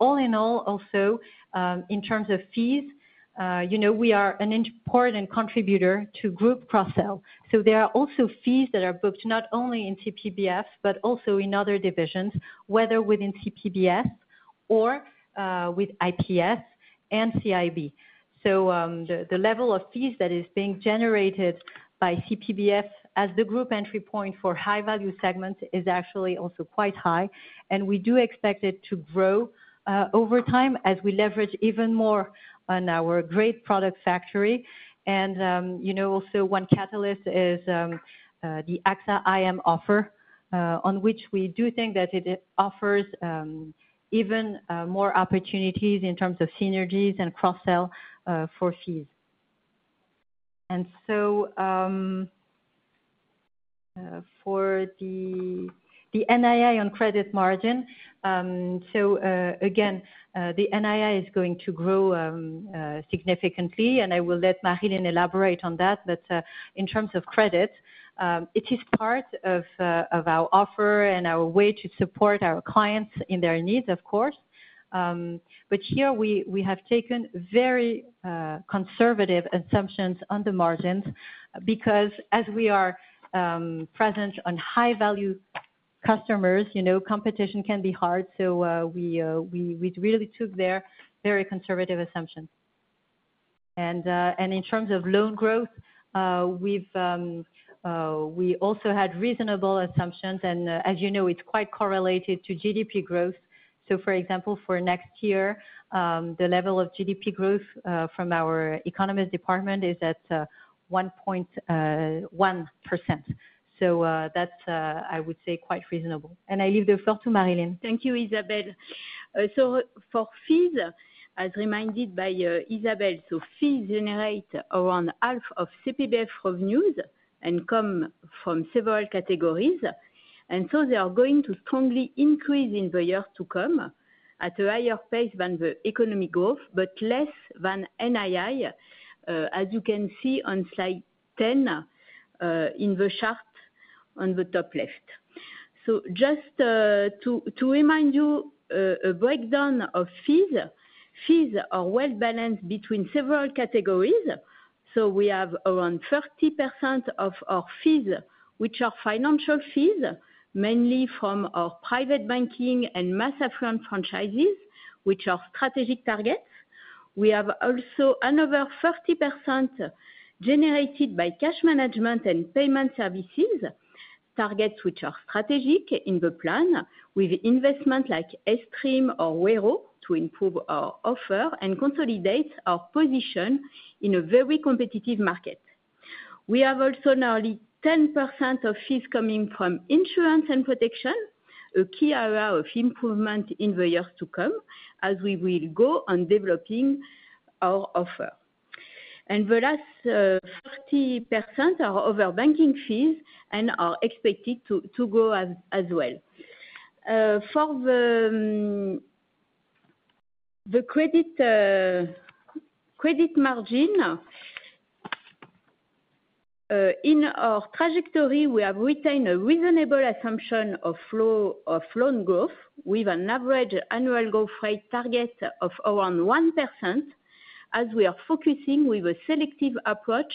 All in all, also in terms of fees, we are an important contributor to group cross-sell. There are also fees that are booked not only in CPBF, but also in other divisions, whether within CPBF or with IPS and CIB. The level of fees that is being generated by CPBF as the group entry point for high-value segments is actually also quite high, and we do expect it to grow over time as we leverage even more on our great product factory. One catalyst is the AXA IM offer, on which we do think that it offers even more opportunities in terms of synergies and cross-sell for fees. For the NII on credit margin, the NII is going to grow significantly, and I will let Maryline elaborate on that. In terms of credit, it is part of our offer and our way to support our clients in their needs, of course. Here we have taken very conservative assumptions on the margins because as we are present on high-value customers, competition can be hard. We really took there very conservative assumptions. In terms of loan growth, we also had reasonable assumptions, and as you know, it is quite correlated to GDP growth. For example, for next year, the level of GDP growth from our economist department is at 1.1%. That is, I would say, quite reasonable. I leave the floor to Maryline. Thank you, Isabelle. For fees, as reminded by Isabelle, fees generate around half of CPBF revenues and come from several categories. They are going to strongly increase in the years to come at a higher pace than the economic growth, but less than NII, as you can see on slide 10 in the chart on the top left. Just to remind you, a breakdown of fees, fees are well balanced between several categories. We have around 30% of our fees, which are financial fees, mainly from our Private Banking and Mass Affluent franchises, which are strategic targets. We have also another 30% generated by cash management and payment services targets, which are strategic in the plan with investment like Estreem or Wero to improve our offer and consolidate our position in a very competitive market. We have also nearly 10% of fees coming from insurance and protection, a key area of improvement in the years to come as we will go on developing our offer. The last 30% are over banking fees and are expected to go as well. For the credit margin, in our trajectory, we have retained a reasonable assumption of loan growth with an average annual growth rate target of around one percent as we are focusing with a selective approach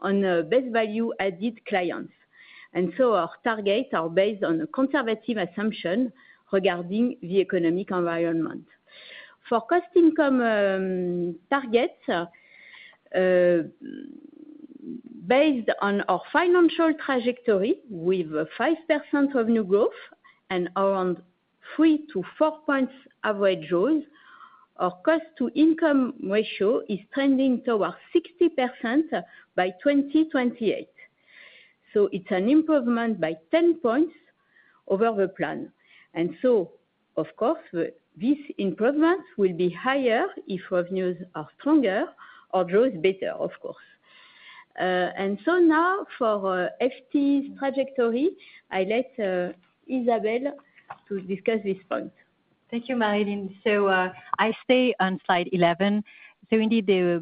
on best value-added clients. Our targets are based on a conservative assumption regarding the economic environment. For cost-income targets, based on our financial trajectory with five percent revenue growth and around three to four points average growth, our cost-to-income ratio is trending towards 60% by 2028. It is an improvement by 10 points over the plan. Of course, these improvements will be higher if revenues are stronger or growth better, of course. Now for FTE's trajectory, I let Isabelle discuss this point. Thank you, Maryline. I stay on slide 11. Indeed, the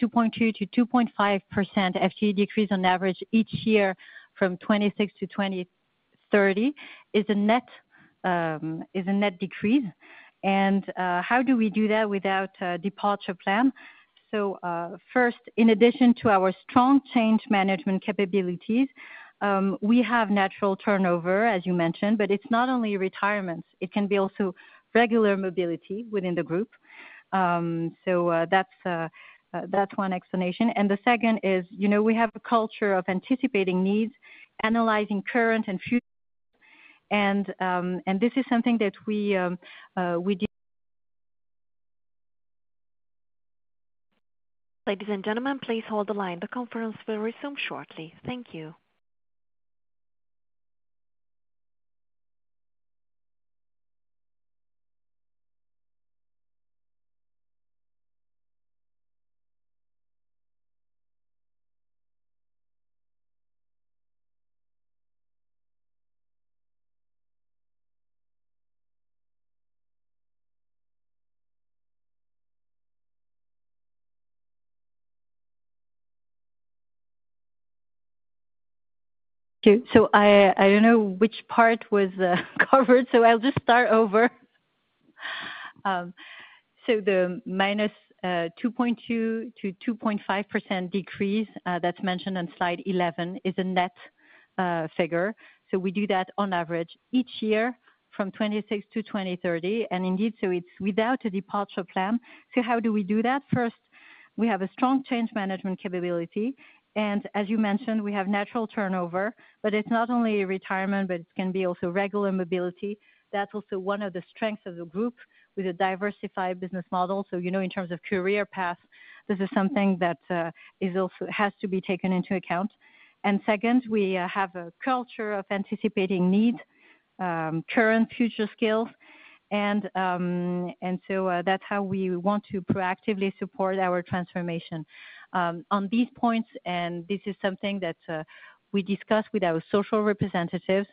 -2.2%-2.5% FTE decrease on average each year from 2026-2030 is a net decrease. How do we do that without a departure plan? First, in addition to our strong change management capabilities, we have natural turnover, as you mentioned, but it's not only retirements. It can be also regular mobility within the group. That's one explanation. The second is, you know, we have a culture of anticipating needs, analyzing current and future. This is something that we did. Ladies and gentlemen, please hold the line. The conference will resume shortly. Thank you. I do not know which part was covered, so I will just start over. The -2.2-2.5% decrease that is mentioned on slide 11 is a net figure. We do that on average each year from 2026-2030. Indeed, it is without a departure plan. How do we do that? First, we have a strong change management capability. As you mentioned, we have natural turnover, but it is not only retirement, it can also be regular mobility. That is also one of the strengths of the group with a diversified business model. In terms of career path, this is something that has to be taken into account. Second, we have a culture of anticipating needs, current and future skills. That is how we want to proactively support our transformation. On these points, and this is something that we discuss with our social representatives,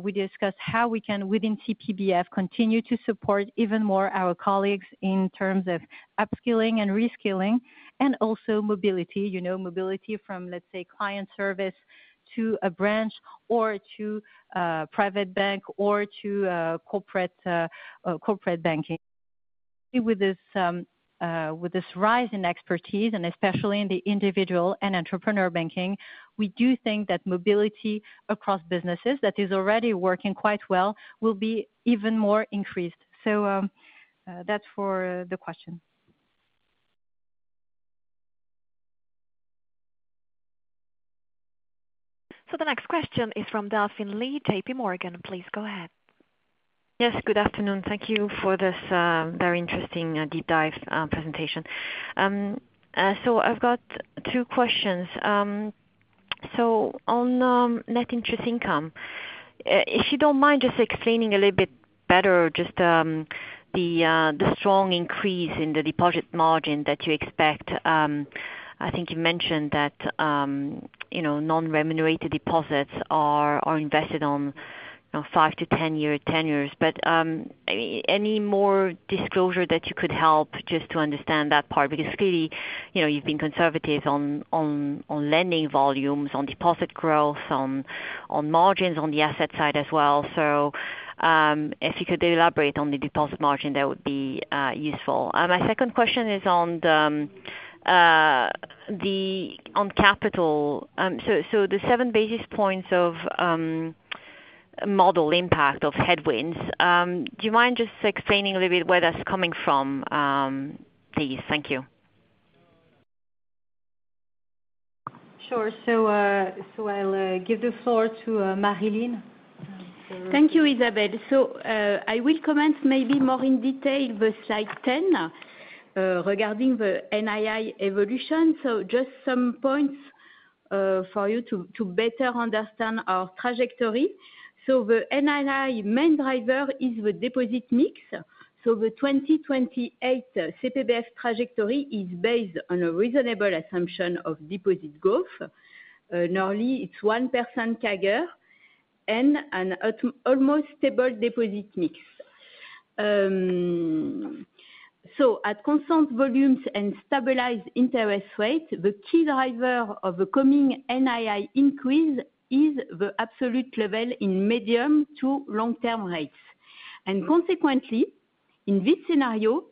we discuss how we can, within CPBF, continue to support even more our colleagues in terms of upskilling and reskilling, and also mobility, mobility from, let's say, client service to a branch or to Private Bank or to Corporate Banking. With this rise in expertise, and especially in the Individual and Entrepreneur Banking, we do think that mobility across businesses that is already working quite well will be even more increased. That is for the question. The next question is from Delphine Lee, JPMorgan. Please go ahead. Yes. Good afternoon. Thank you for this very interesting deep-dive presentation. I've got two questions. On net interest income, if you don't mind just explaining a little bit better just the strong increase in the deposit margin that you expect. I think you mentioned that non-remunerated deposits are invested on five to 10 years, but any more disclosure that you could help just to understand that part? Because clearly, you've been conservative on lending volumes, on deposit growth, on margins on the asset side as well. If you could elaborate on the deposit margin, that would be useful. My second question is on capital. The seven basis points of model impact of headwinds, do you mind just explaining a little bit where that's coming from? Thank you. Sure. I'll give the floor to Maryline. Thank you, Isabelle. I will comment maybe more in detail with slide 10 regarding the NII evolution. Just some points for you to better understand our trajectory. The NII main driver is the deposit mix. The 2028 CPBF trajectory is based on a reasonable assumption of deposit growth. Nearly, it is one percent CAGR and an almost stable deposit mix. At constant volumes and stabilized interest rates, the key driver of the coming NII increase is the absolute level in medium to long-term rates. Consequently, in this scenario,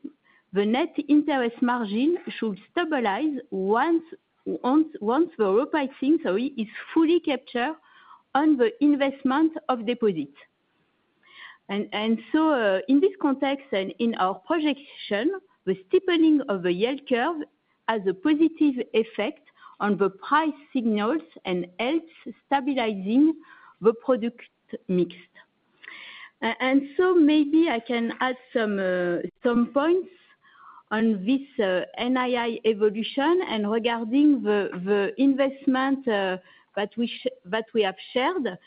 the net interest margin should stabilize once the repricing is fully captured on the investment of deposits. In this context and in our projection, the steepening of the yield curve has a positive effect on the price signals and helps stabilizing the product mix. Maybe I can add some points on this NII evolution and regarding the investment that we have shared.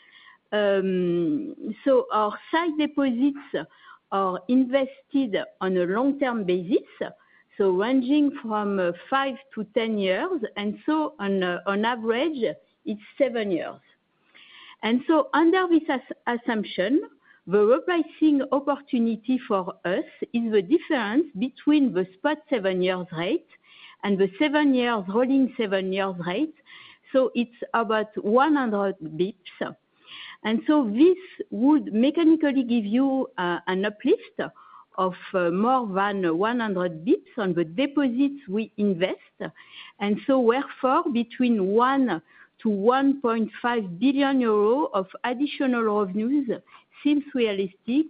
Our side deposits are invested on a long-term basis, ranging from five to 10 years. On average, it is seven years. Under this assumption, the repricing opportunity for us is the difference between the spot seven-year rate and the rolling seven-year rate. It is about 100 bips. This would mechanically give you an uplift of more than 100 bips on the deposits we invest. Therefore, between 1 billion-1.5 billion euros of additional revenues seems realistic,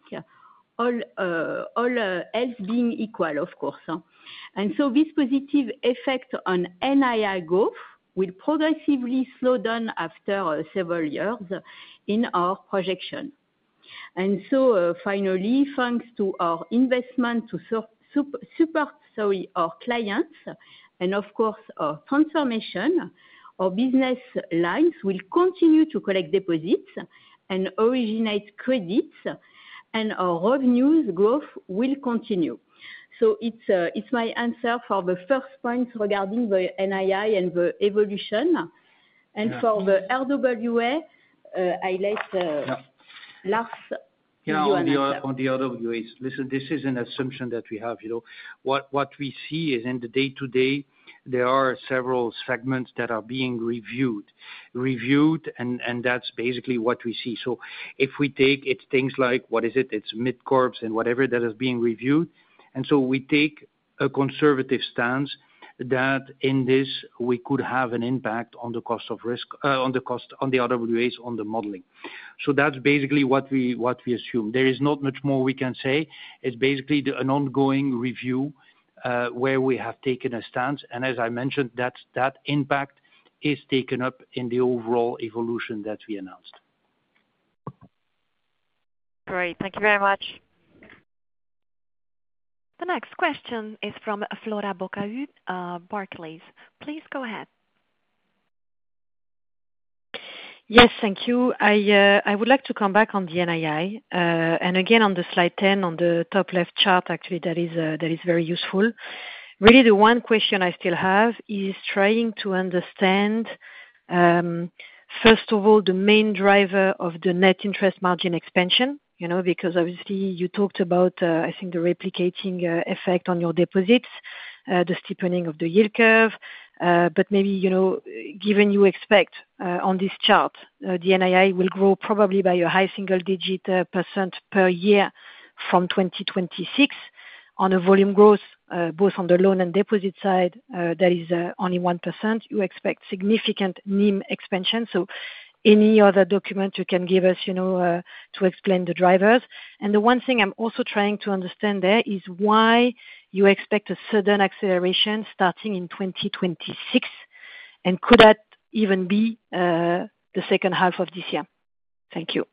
all else being equal, of course. This positive effect on NII growth will progressively slow down after several years in our projection. Finally, thanks to our investment to support our clients and, of course, our transformation, our business lines will continue to collect deposits and originate credits, and our revenues growth will continue. It is my answer for the first points regarding the NII and the evolution. For the RWA, I let Lars give you an answer. On the RWAs, listen, this is an assumption that we have. What we see is in the day-to-day, there are several segments that are being reviewed. Reviewed, and that's basically what we see. If we take it, it's things like, what is it, it's mid-corps and whatever that is being reviewed. We take a conservative stance that in this, we could have an impact on the cost of risk, on the RWAs, on the modeling. That's basically what we assume. There is not much more we can say. It's basically an ongoing review where we have taken a stance. As I mentioned, that impact is taken up in the overall evolution that we announced. Great. Thank you very much. The next question is from Flora Bocahut, Barclays. Please go ahead. Yes, thank you. I would like to come back on the NII. Again, on the slide 10, on the top left chart, actually, that is very useful. Really, the one question I still have is trying to understand, first of all, the main driver of the net interest margin expansion, because obviously, you talked about, I think, the replicating effect on your deposits, the steepening of the yield curve. Maybe given you expect on this chart, the NII will grow probably by a high single-digit percent per year from 2026 on a volume growth, both on the loan and deposit side, that is only one percent. You expect significant NIM expansion. Any other document you can give us to explain the drivers. The one thing I'm also trying to understand there is why you expect a sudden acceleration starting in 2026, and could that even be the second half of this year? Thank you.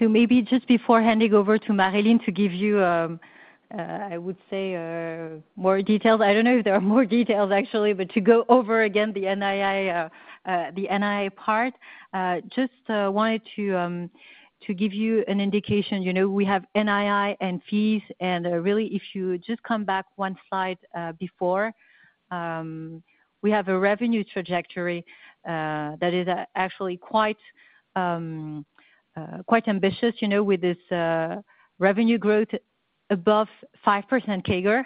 Maybe just before handing over to Maryline to give you, I would say, more details, I do not know if there are more details, actually, but to go over again the NII part, just wanted to give you an indication. We have NII and fees. If you just come back one slide before, we have a revenue trajectory that is actually quite ambitious with this revenue growth above five percent CAGR.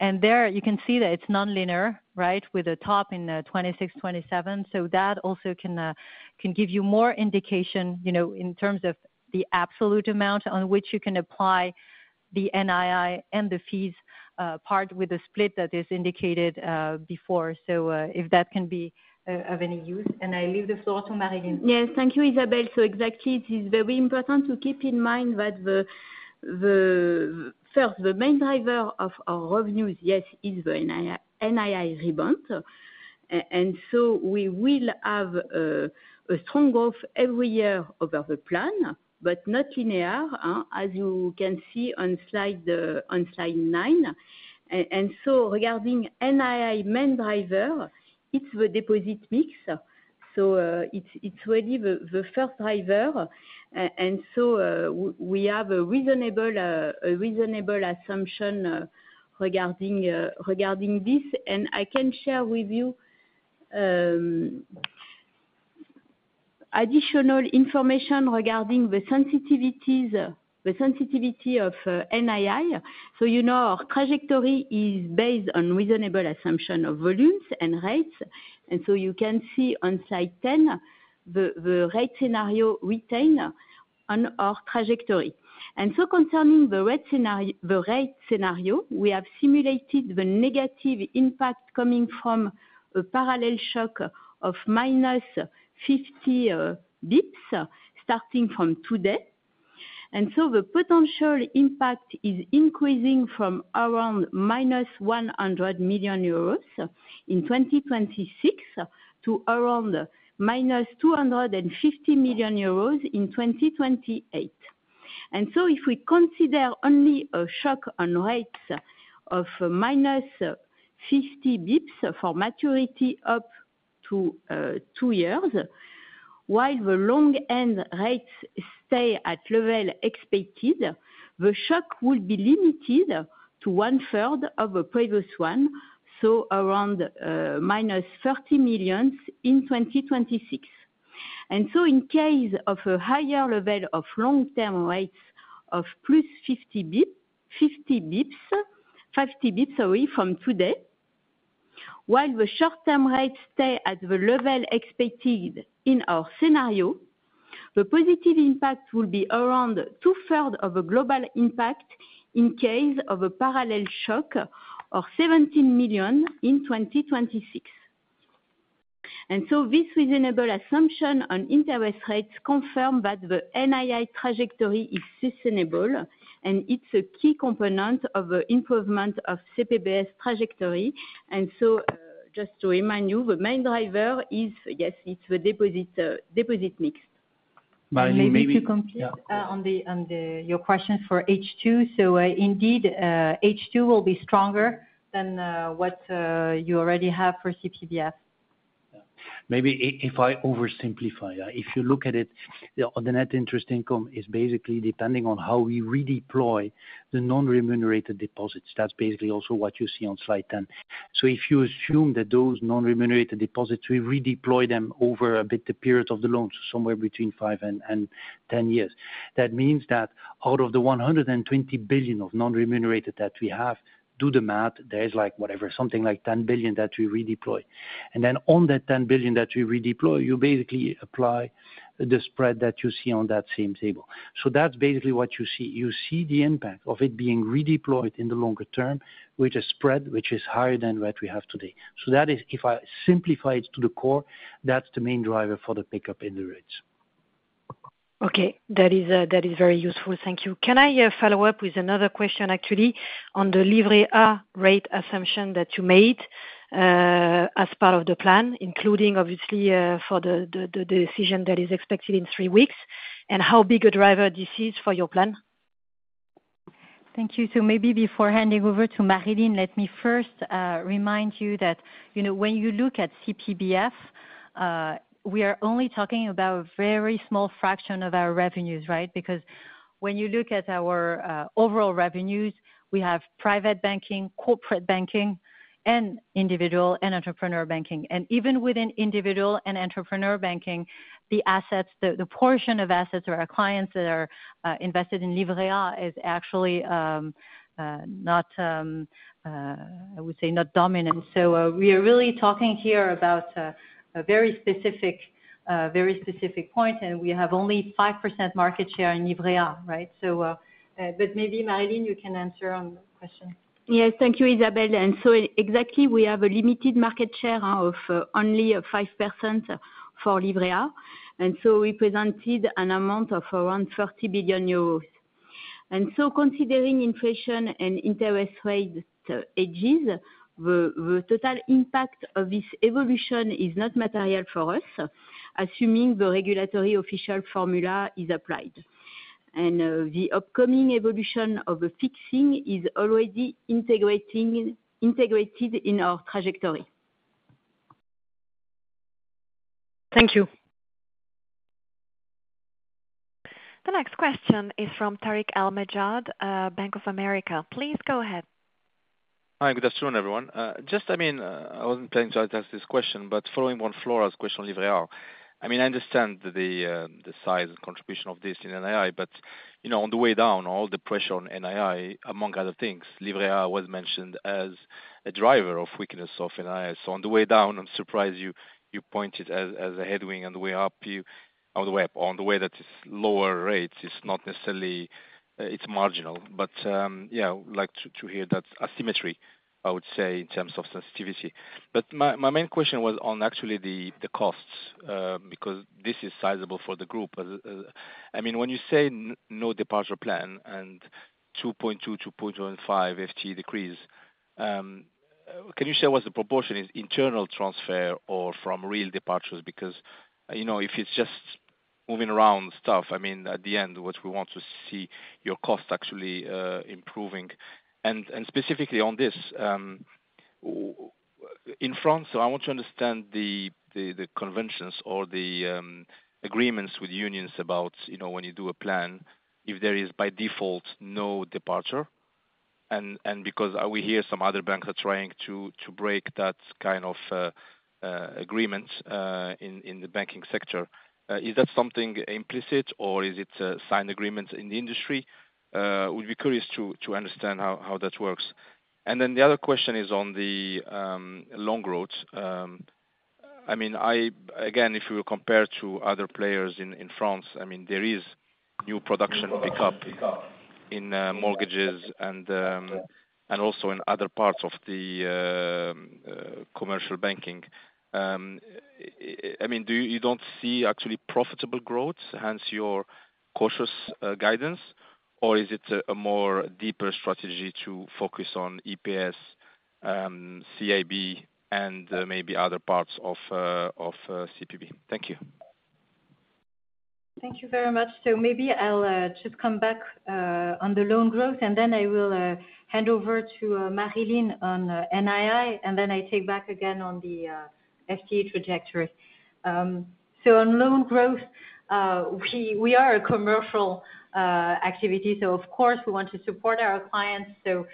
You can see that it is nonlinear, right, with a top in 2026-2027. That also can give you more indication in terms of the absolute amount on which you can apply the NII and the fees part with the split that is indicated before. If that can be of any use. I leave the floor to Maryline. Yes. Thank you, Isabelle. It is very important to keep in mind that first, the main driver of our revenues, yes, is the NII rebound. We will have a strong growth every year over the plan, but not linear, as you can see on slide nine. Regarding NII main driver, it is the deposit mix. It is really the first driver. We have a reasonable assumption regarding this. I can share with you additional information regarding the sensitivity of NII. Our trajectory is based on reasonable assumption of volumes and rates. You can see on slide 10, the rate scenario retained on our trajectory. Concerning the rate scenario, we have simulated the negative impact coming from a parallel shock of -50 bips starting from today. The potential impact is increasing from around -100 million euros in 2026 to around -250 million euros in 2028. If we consider only a shock on rates of -50 bips for maturity up to two years, while the long-end rates stay at the level expected, the shock will be limited to one-third of the previous one, so around -30 million in 2026. In case of a higher level of long-term rates of +50 bips, 50 bips, sorry, from today, while the short-term rates stay at the level expected in our scenario, the positive impact will be around two-thirds of a global impact in case of a parallel shock of 17 million in 2026. This reasonable assumption on interest rates confirms that the NII trajectory is sustainable, and it is a key component of the improvement of CPBS trajectory. Just to remind you, the main driver is, yes, it's the deposit mix. Maryline, maybe? Maybe to complete your question for H2. Indeed, H2 will be stronger than what you already have for CPBF. Maybe if I oversimplify, if you look at it, the net interest income is basically depending on how we redeploy the non-remunerated deposits. That is basically also what you see on slide 10. If you assume that those non-remunerated deposits, we redeploy them over a bit the period of the loan, so somewhere between five and 10 years, that means that out of the 120 billion of non-remunerated that we have, do the math, there is like whatever, something like 10 billion that we redeploy. Then on that 10 billion that we redeploy, you basically apply the spread that you see on that same table. That is basically what you see. You see the impact of it being redeployed in the longer term, which is spread, which is higher than what we have today. That is, if I simplify it to the core, that's the main driver for the pickup in the rates. Okay. That is very useful. Thank you. Can I follow up with another question, actually, on the Livret A rate assumption that you made as part of the plan, including, obviously, for the decision that is expected in three weeks, and how big a driver this is for your plan? Thank you. Maybe before handing over to Maryline, let me first remind you that when you look at CPBF, we are only talking about a very small fraction of our revenues, right? When you look at our overall revenues, we have Private Banking, Corporate Banking, and Individual and Entrepreneur Banking. Even within Individual and Entrepreneur Banking, the portion of assets of our clients that are invested in Livret A is actually not, I would say, not dominant. We are really talking here about a very specific point, and we have only five percent market share in Livret A, right? Maybe Maryline, you can answer on the question. Yes. Thank you, Isabelle. Exactly, we have a limited market share of only five percent for Livret A. We presented an amount of around 30 billion euros. Considering inflation and interest rate edges, the total impact of this evolution is not material for us, assuming the regulatory official formula is applied. The upcoming evolution of the fixing is already integrated in our trajectory. Thank you. The next question is from Tarik El Mejjad, Bank of America. Please go ahead. Hi. Good afternoon, everyone. I mean, I wasn't planning to ask this question, but following what Flora's question on Livret A, I mean, I understand the size and contribution of this in NII, but on the way down, all the pressure on NII, among other things, Livret A was mentioned as a driver of weakness of NII. On the way down, I'm surprised you pointed as a headwind on the way up, on the way up, or on the way that it's lower rates, it's not necessarily, it's marginal. I would like to hear that asymmetry, I would say, in terms of sensitivity. My main question was on actually the costs, because this is sizable for the group. I mean, when you say no departure plan and 2.2%-2.5% FTE decrease, can you share what the proportion is, internal transfer or from real departures? Because if it is just moving around stuff, I mean, at the end, what we want to see is your cost actually improving. Specifically on this, in France, I want to understand the conventions or the agreements with unions about when you do a plan, if there is by default no departure. Because we hear some other banks are trying to break that kind of agreement in the banking sector, is that something implicit or is it signed agreements in the industry? I would be curious to understand how that works. The other question is on the long road. I mean, again, if you compare to other players in France, there is new production pickup in mortgages and also in other parts of the commercial banking. I mean, you don't see actually profitable growth, hence your cautious guidance, or is it a more deeper strategy to focus on EPS, CIB, and maybe other parts of CPB? Thank you. Thank you very much. Maybe I'll just come back on the loan growth, and then I will hand over to Maryline on NII, and then I take back again on the FTE trajectory. On loan growth, we are a commercial activity. Of course, we want to support our clients. If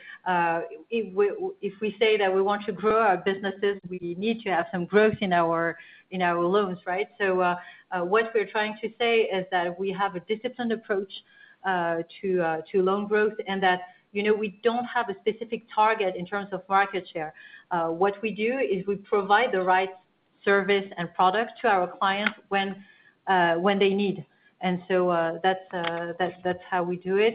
we say that we want to grow our businesses, we need to have some growth in our loans, right? What we're trying to say is that we have a disciplined approach to loan growth and that we do not have a specific target in terms of market share. What we do is we provide the right service and product to our clients when they need. That is how we do it.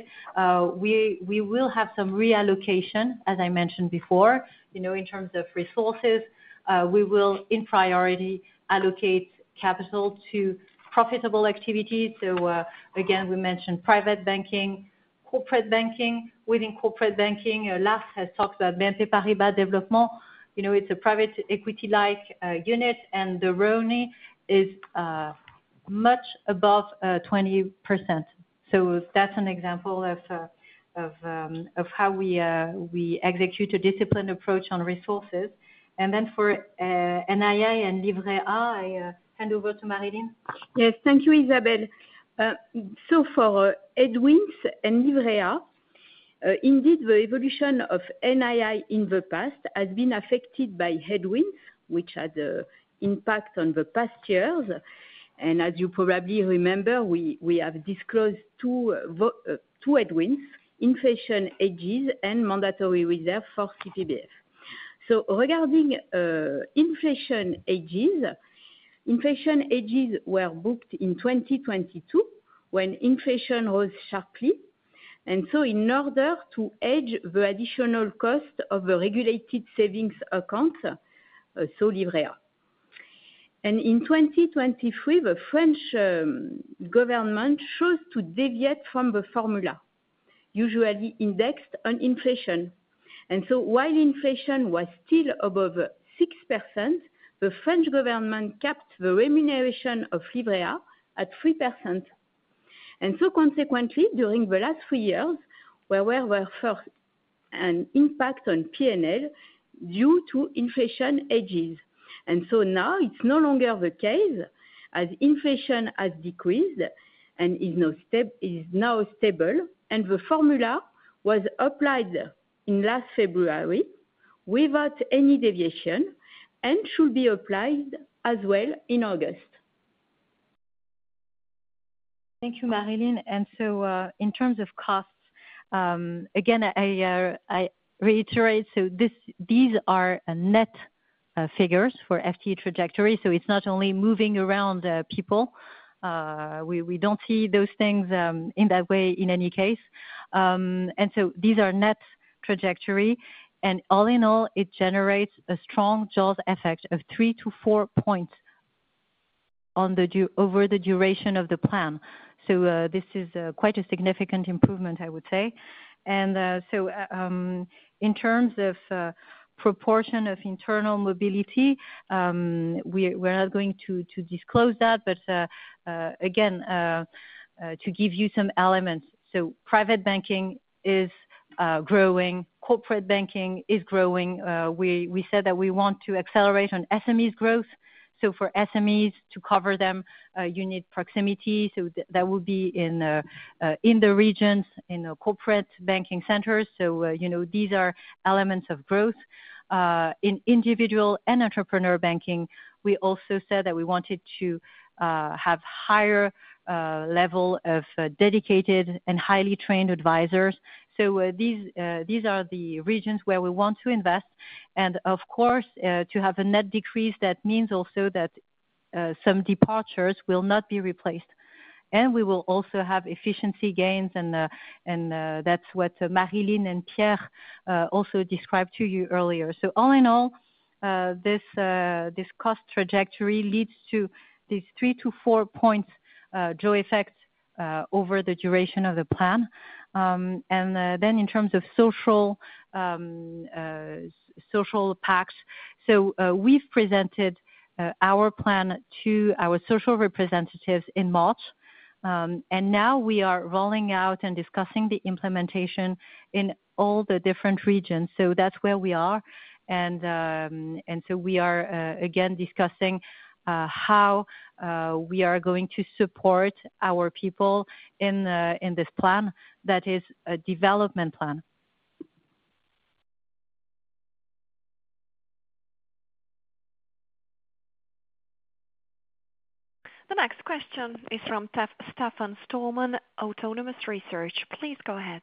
We will have some reallocation, as I mentioned before, in terms of resources. We will, in priority, allocate capital to profitable activities. Again, we mentioned Private Banking, Corporate Banking. Within Corporate Banking, Lars has talked about BNP Paribas Dévelopement. It's a private equity-like unit, and the revenue is much above 20%. That's an example of how we execute a disciplined approach on resources. For NII and Livret A, I hand over to Maryline. Yes. Thank you, Isabelle. For headwinds and Livret A, indeed, the evolution of NII in the past has been affected by headwinds, which had impact on the past years. As you probably remember, we have disclosed two headwinds, inflation hedges and mandatory reserve for CPBF. Regarding inflation hedges, inflation hedges were booked in 2022 when inflation rose sharply. In order to hedge the additional cost of the regulated savings accounts, so Livret A. In 2023, the French government chose to deviate from the formula, usually indexed on inflation. While inflation was still above six percent, the French government kept the remuneration of Livret A at three percent. Consequently, during the last three years, there was first an impact on P&L due to inflation hedges. Now it is no longer the case as inflation has decreased and is now stable. The formula was applied in last February without any deviation and should be applied as well in August. Thank you, Maryline. In terms of costs, again, I reiterate, these are net figures for FTE trajectory. It is not only moving around people. We do not see those things in that way in any case. These are net trajectory. All in all, it generates a strong jaws effect of three to four points over the duration of the plan. This is quite a significant improvement, I would say. In terms of proportion of internal mobility, we are not going to disclose that, but again, to give you some elements. Private Banking is growing. Corporate Banking is growing. We said that we want to accelerate on SMEs growth. For SMEs to cover them, you need proximity. That will be in the regions, in the corporate banking centers. These are elements of growth. In individual and entrepreneur banking, we also said that we wanted to have higher level of dedicated and highly trained advisors. These are the regions where we want to invest. Of course, to have a net decrease, that means also that some departures will not be replaced. We will also have efficiency gains, and that is what Maryline and Pierre also described to you earlier. All in all, this cost trajectory leads to these three to four percentage points jaw effect over the duration of the plan. In terms of social pacts, we have presented our plan to our social representatives in March. We are now rolling out and discussing the implementation in all the different regions. That is where we are. We are again discussing how we are going to support our people in this plan that is a development plan. The next question is from Stefan Stalmann, Autonomous Research. Please go ahead.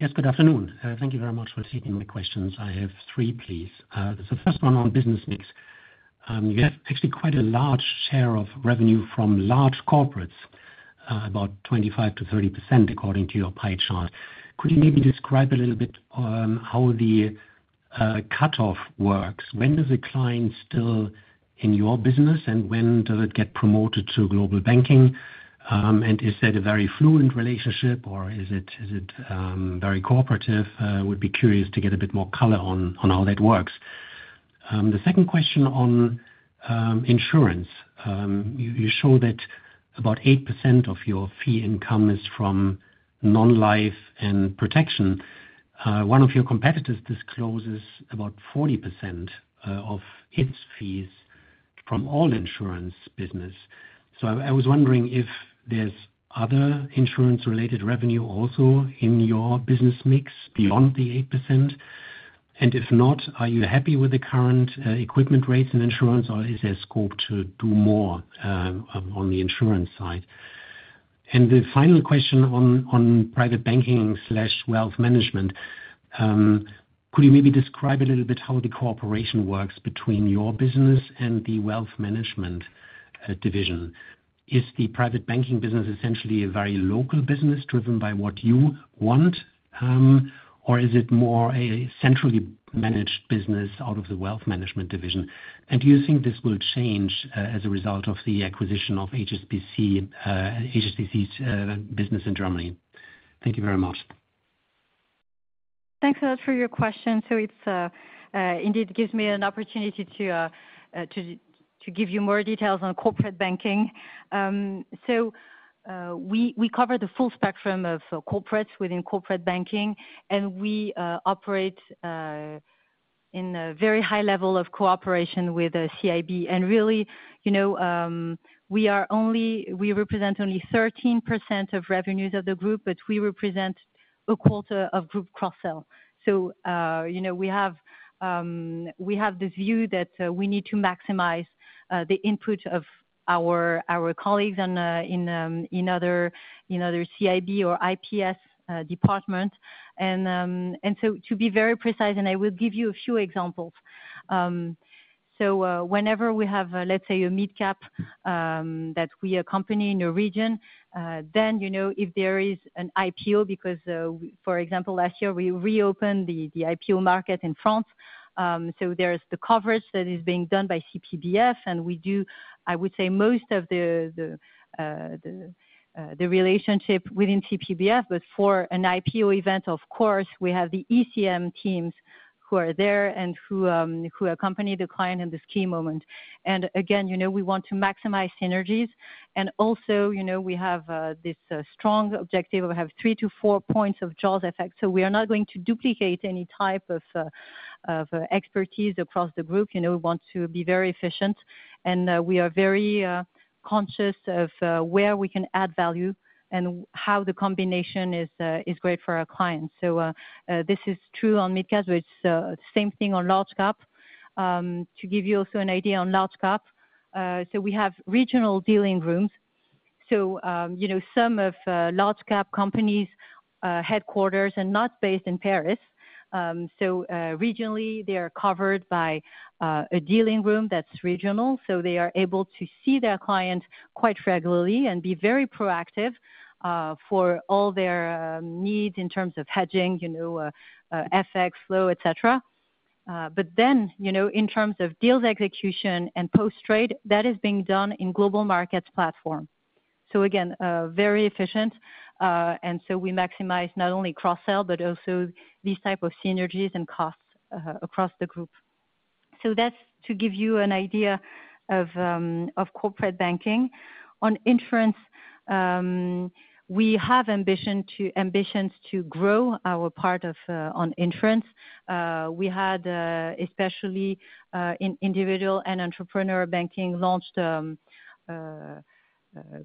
Yes. Good afternoon. Thank you very much for taking my questions. I have three, please. The first one on business mix. You have actually quite a large share of revenue from large corporates, about 25%-30% according to your pie chart. Could you maybe describe a little bit how the cutoff works? When does a client still in your business, and when does it get promoted to Global Banking? Is that a very fluent relationship, or is it very cooperative? I would be curious to get a bit more color on how that works. The second question on insurance, you show that about eight percent of your fee income is from non-life and protection. One of your competitors discloses about 40% of its fees from all insurance business. I was wondering if there is other insurance-related revenue also in your business mix beyond the eight percent. If not, are you happy with the current equipment rates and insurance, or is there scope to do more on the insurance side? The final question on Private Banking/Wealth Management, could you maybe describe a little bit how the cooperation works between your business and the Wealth Management division? Is the private banking business essentially a very local business driven by what you want, or is it more a centrally managed business out of the Wealth Management division? Do you think this will change as a result of the acquisition of HSBC's business in Germany? Thank you very much. Thanks a lot for your question. It indeed gives me an opportunity to give you more details on Corporate Banking. We cover the full spectrum of corporates within Corporate Banking, and we operate in a very high level of cooperation with CIB. We represent only 13% of revenues of the group, but we represent a quarter of group cross-sell. We have this view that we need to maximize the input of our colleagues in other CIB or IPS departments. To be very precise, I will give you a few examples. Whenever we have, let's say, a mid-cap that we accompany in a region, if there is an IPO, because for example, last year, we reopened the IPO market in France. There is the coverage that is being done by CPBF, and we do, I would say, most of the relationship within CPBF. For an IPO event, of course, we have the ECM teams who are there and who accompany the client in the ski moment. Again, we want to maximize synergies. Also, we have this strong objective of having three to four percentage points of jaws effect. We are not going to duplicate any type of expertise across the group. We want to be very efficient, and we are very conscious of where we can add value and how the combination is great for our clients. This is true on mid-caps, but it is the same thing on large-cap. To give you also an idea on large-cap, we have regional dealing rooms. Some of large-cap companies' headquarters are not based in Paris. Regionally, they are covered by a dealing room that is regional. They are able to see their clients quite regularly and be very proactive for all their needs in terms of hedging, FX flow, etc. In terms of deals execution and post-trade, that is being done in global markets platform. Again, very efficient. We maximize not only cross-sell, but also these types of synergies and costs across the group. That is to give you an idea of Corporate Banking. On insurance, we have ambitions to grow our part on insurance. We had, especially in individual and entrepreneur banking, launched a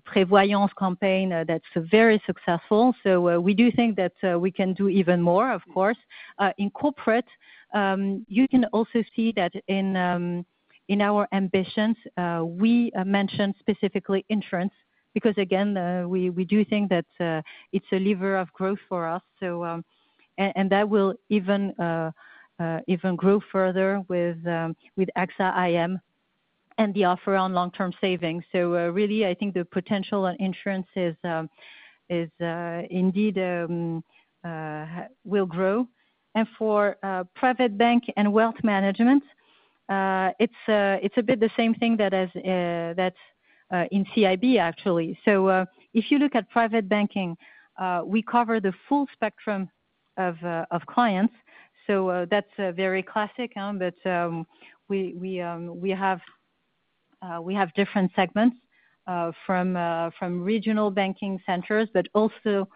prevoyance campaign that is very successful. We do think that we can do even more, of course. In corporate, you can also see that in our ambitions, we mentioned specifically insurance because, again, we do think that it is a lever of growth for us. That will even grow further with AXA IM and the offer on long-term savings. I think the potential on insurance indeed will grow. For Private Bank and Wealth Management, it's a bit the same thing as in CIB, actually. If you look at Private Banking, we cover the full spectrum of clients. That's very classic, but we have different segments from regional banking centers, but also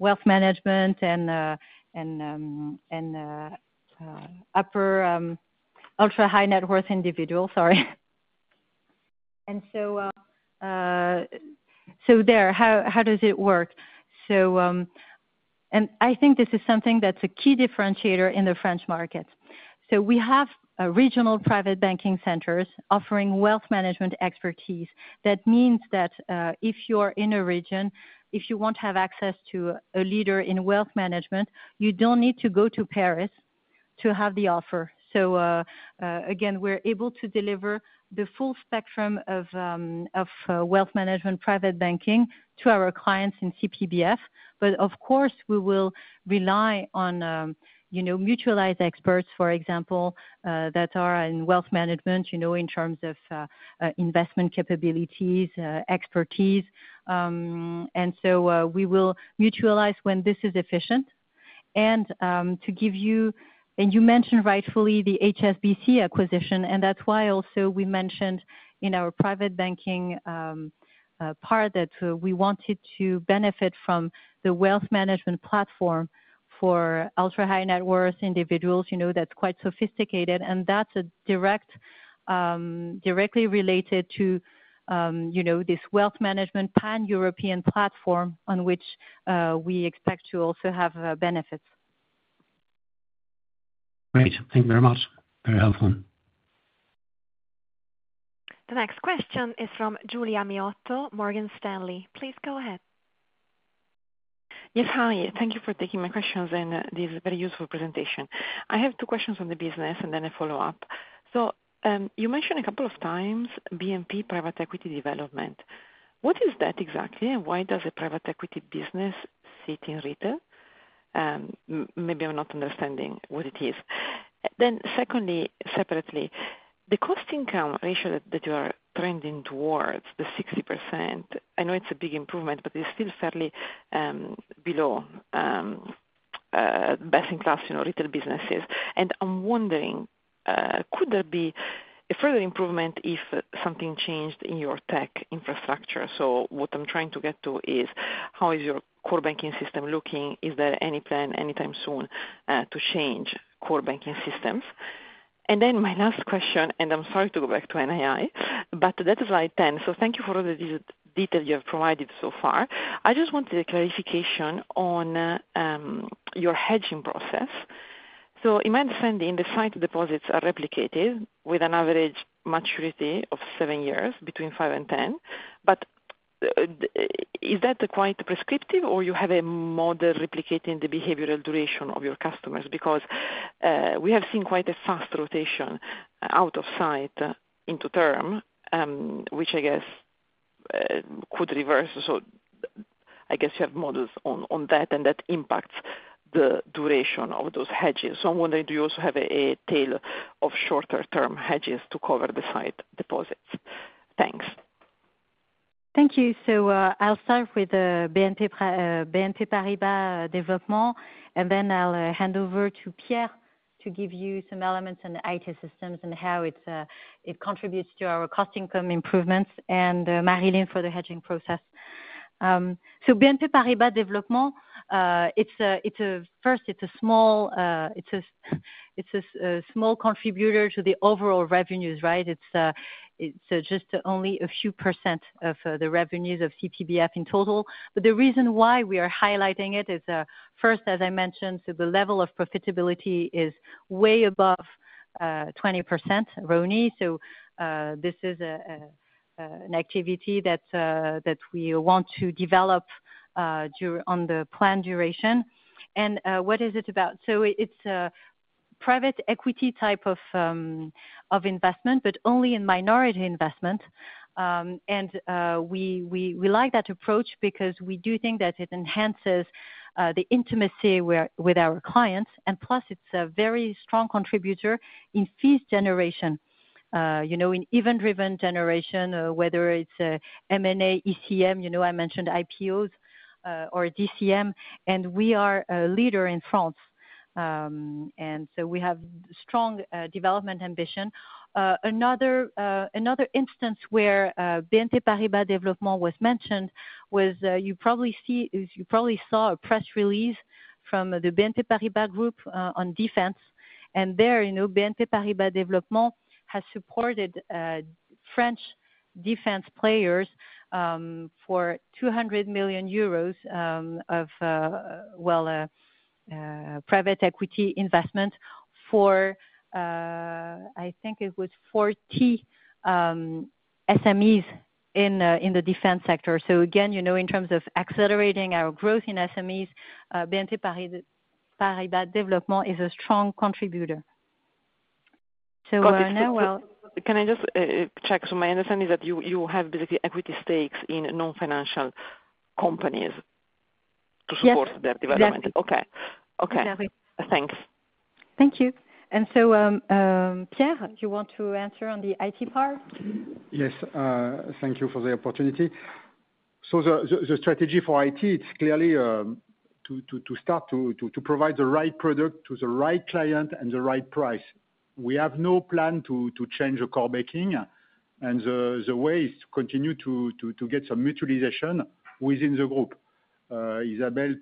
Wealth Management and upper ultra-high net worth individuals. Sorry. There, how does it work? I think this is something that's a key differentiator in the French market. We have regional private banking centers offering Wealth Management expertise. That means that if you are in a region, if you want to have access to a leader in Wealth Management, you don't need to go to Paris to have the offer. Again, we're able to deliver the full spectrum of Wealth Management Private Banking to our clients in CPBF. Of course, we will rely on mutualized experts, for example, that are in Wealth Management in terms of investment capabilities, expertise. We will mutualize when this is efficient. You mentioned rightfully the HSBC acquisition, and that's why also we mentioned in our Private Banking part that we wanted to benefit from the Wealth Management platform for ultra-high net worth individuals. That's quite sophisticated, and that's directly related to this Wealth Management pan-European platform on which we expect to also have benefits. Great. Thank you very much. Very helpful. The next question is from Giulia Miotto, Morgan Stanley. Please go ahead. Yes. Hi. Thank you for taking my questions and this very useful presentation. I have two questions on the business, and then I follow up. You mentioned a couple of times BNP Paribas Dévelopment. What is that exactly, and why does a private equity business sit in retail? Maybe I'm not understanding what it is. Secondly, separately, the cost-income ratio that you are trending towards, the 60%, I know it's a big improvement, but it's still fairly below best-in-class retail businesses. I'm wondering, could there be a further improvement if something changed in your tech infrastructure? What I'm trying to get to is how is your core banking system looking? Is there any plan anytime soon to change core banking systems? My last question, and I'm sorry to go back to NII, but that is slide 10. Thank you for all the details you have provided so far. I just wanted a clarification on your hedging process. In my understanding, the site deposits are replicated with an average maturity of seven years between five and 10. Is that quite prescriptive, or do you have a model replicating the behavioral duration of your customers? We have seen quite a fast rotation out of site into term, which I guess could reverse. I guess you have models on that, and that impacts the duration of those hedges. I am wondering, do you also have a tail of shorter-term hedges to cover the site deposits? Thanks. Thank you. I'll start with BNP Paribas Dévelopment, and then I'll hand over to Pierre to give you some elements on IT systems and how it contributes to our cost-income improvements, and Maryline for the hedging process. BNP Paribas Dévelopment, first, it's a small contributor to the overall revenues, right? It's just only a few percent of the revenues of CPBF in total. The reason why we are highlighting it is, first, as I mentioned, the level of profitability is way above 20%, RONE. This is an activity that we want to develop on the planned duration. What is it about? It's a private equity type of investment, but only in minority investment. We like that approach because we do think that it enhances the intimacy with our clients. Plus, it is a very strong contributor in fees generation, in event-driven generation, whether it is M&A, ECM, I mentioned IPOs or DCM, and we are a leader in France. We have strong development ambition. Another instance where BNP Paribas Dévelopment was mentioned was you probably saw a press release from the BNP Paribas Group on defense. There, BNP Paribas Dévelopment has supported French defense players for 200 million euros of private equity investment for, I think it was 40 SMEs in the defense sector. Again, in terms of accelerating our growth in SMEs, BNP Paribas Dévelopment is a strong contributor. I know. Can I just check? So my understanding is that you have basically equity stakes in non-financial companies to support their development. Yes. Exactly. Okay. Okay. Thanks. Thank you. Pierre, you want to answer on the IT part? Yes. Thank you for the opportunity. The strategy for IT, it's clearly to start to provide the right product to the right client and the right price. We have no plan to change the core banking, and the way is to continue to get some mutualization within the group. Isabelle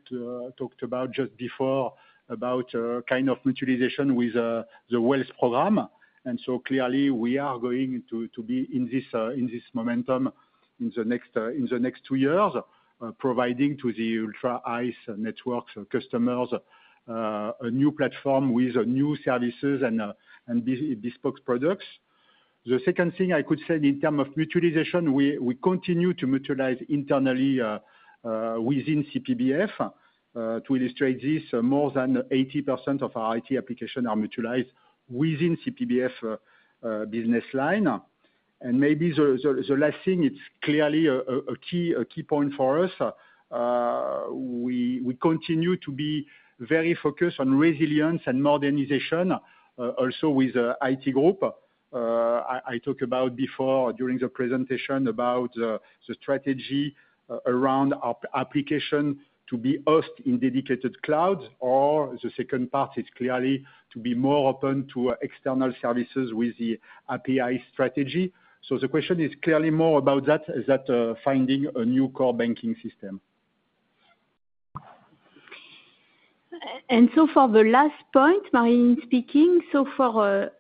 talked just before about kind of mutualization with the wealth program. Clearly, we are going to be in this momentum in the next two years, providing to the ultra-high net worth customers a new platform with new services and bespoke products. The second thing I could say in terms of mutualization, we continue to mutualize internally within CPBF. To illustrate this, more than 80% of our IT applications are mutualized within CPBF business line. Maybe the last thing, it's clearly a key point for us. We continue to be very focused on resilience and modernization also with the IT group. I talked about before during the presentation about the strategy around our application to be hosted in dedicated clouds, or the second part is clearly to be more open to external services with the API strategy. The question is clearly more about that, finding a new core banking system. For the last point, Maryline speaking, for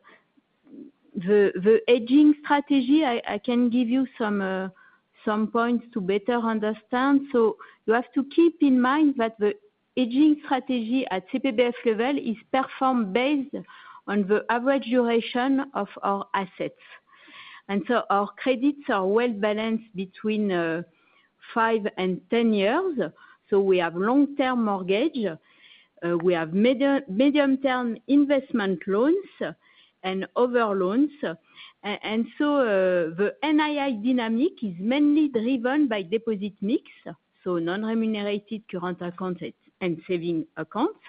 the hedging strategy, I can give you some points to better understand. You have to keep in mind that the hedging strategy at CPBF level is performance-based on the average duration of our assets. Our credits are well balanced between five and 10 years. We have long-term mortgage, we have medium-term investment loans and other loans. The NII dynamic is mainly driven by deposit mix, so non-remunerated current accounts and saving accounts,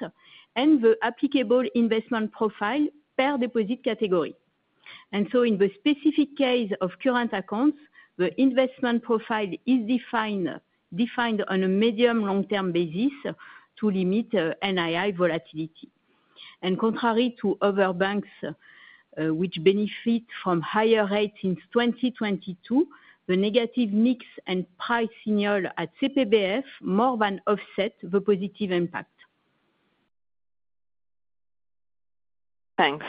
and the applicable investment profile per deposit category. In the specific case of current accounts, the investment profile is defined on a medium-long-term basis to limit NII volatility. Contrary to other banks which benefit from higher rates since 2022, the negative mix and price signal at CPBF more than offsets the positive impact. Thanks.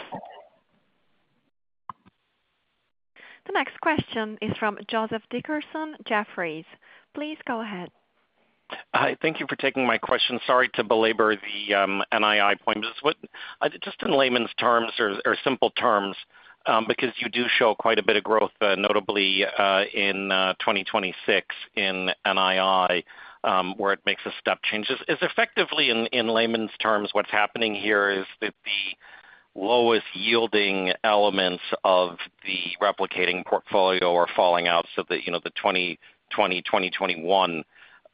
The next question is from Joseph Dickerson, Jefferies. Please go ahead. Hi. Thank you for taking my question. Sorry to belabor the NII point. Just in layman's terms or simple terms, because you do show quite a bit of growth, notably in 2026 in NII where it makes a step change. Effectively, in layman's terms, what's happening here is that the lowest yielding elements of the replicating portfolio are falling out. So the 2020, 2021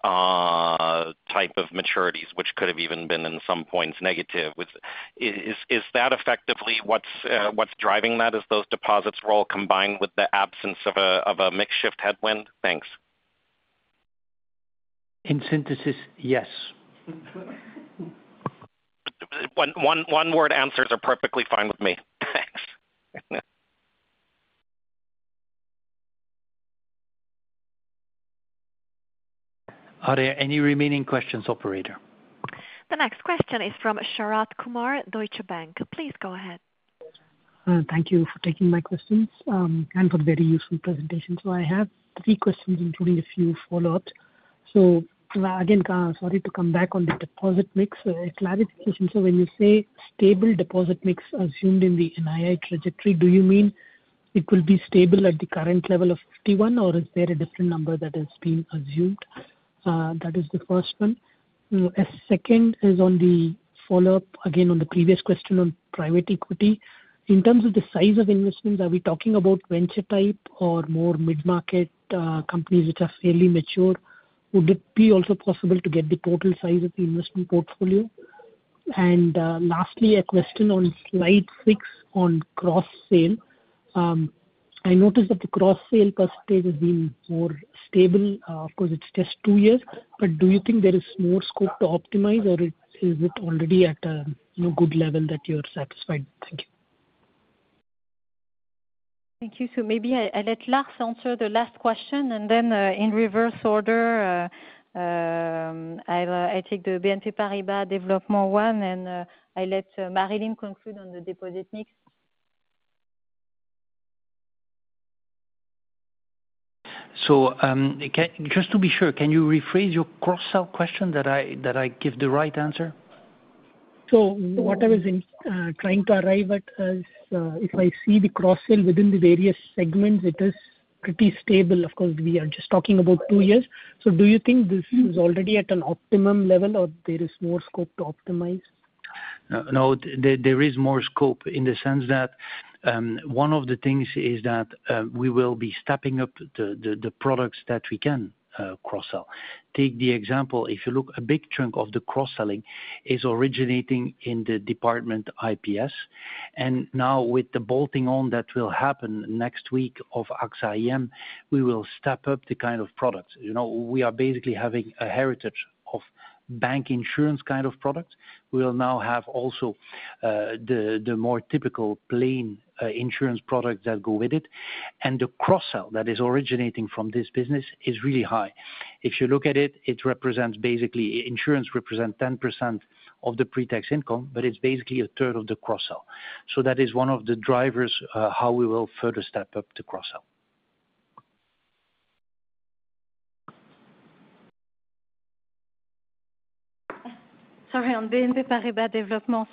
type of maturities, which could have even been in some points negative, is that effectively what's driving that? Is those deposits roll combined with the absence of a makeshift headwind? Thanks. In synthesis, yes. One-word answers are perfectly fine with me. Thanks. Are there any remaining questions, operator? The next question is from Sharath Kumar, Deutsche Bank. Please go ahead. Thank you for taking my questions and for the very useful presentation. I have three questions, including a few follow-ups. Sorry to come back on the deposit mix clarification. When you say stable deposit mix assumed in the NII trajectory, do you mean it will be stable at the current level of 51%, or is there a different number that has been assumed? That is the first one. A second is on the follow-up, again, on the previous question on private equity. In terms of the size of investments, are we talking about venture type or more mid-market companies which are fairly mature? Would it be possible to get the total size of the investment portfolio? Lastly, a question on slide six on cross-sale. I noticed that the cross-sale percentage has been more stable. Of course, it's just two years, but do you think there is more scope to optimize, or is it already at a good level that you're satisfied? Thank you. Thank you. Maybe I let Lars answer the last question, and then in reverse order, I take the BNP Paribas Dévelopment one, and I let Maryline conclude on the deposit mix. Just to be sure, can you rephrase your cross-sale question that I give the right answer? What I was trying to arrive at is if I see the cross-sale within the various segments, it is pretty stable. Of course, we are just talking about two years. Do you think this is already at an optimum level, or there is more scope to optimize? No, there is more scope in the sense that one of the things is that we will be stepping up the products that we can cross-sell. Take the example, if you look, a big chunk of the cross-selling is originating in the department IPS. Now with the bolting on that will happen next week of AXA IM, we will step up the kind of products. We are basically having a heritage of bank insurance kind of products. We will now have also the more typical plain insurance products that go with it. The cross-sell that is originating from this business is really high. If you look at it, it represents basically insurance represents 10% of the pretax income, but it is basically a third of the cross-sell. That is one of the drivers how we will further step up the cross-sell. Sorry, on BNP Paribas Dévelopment,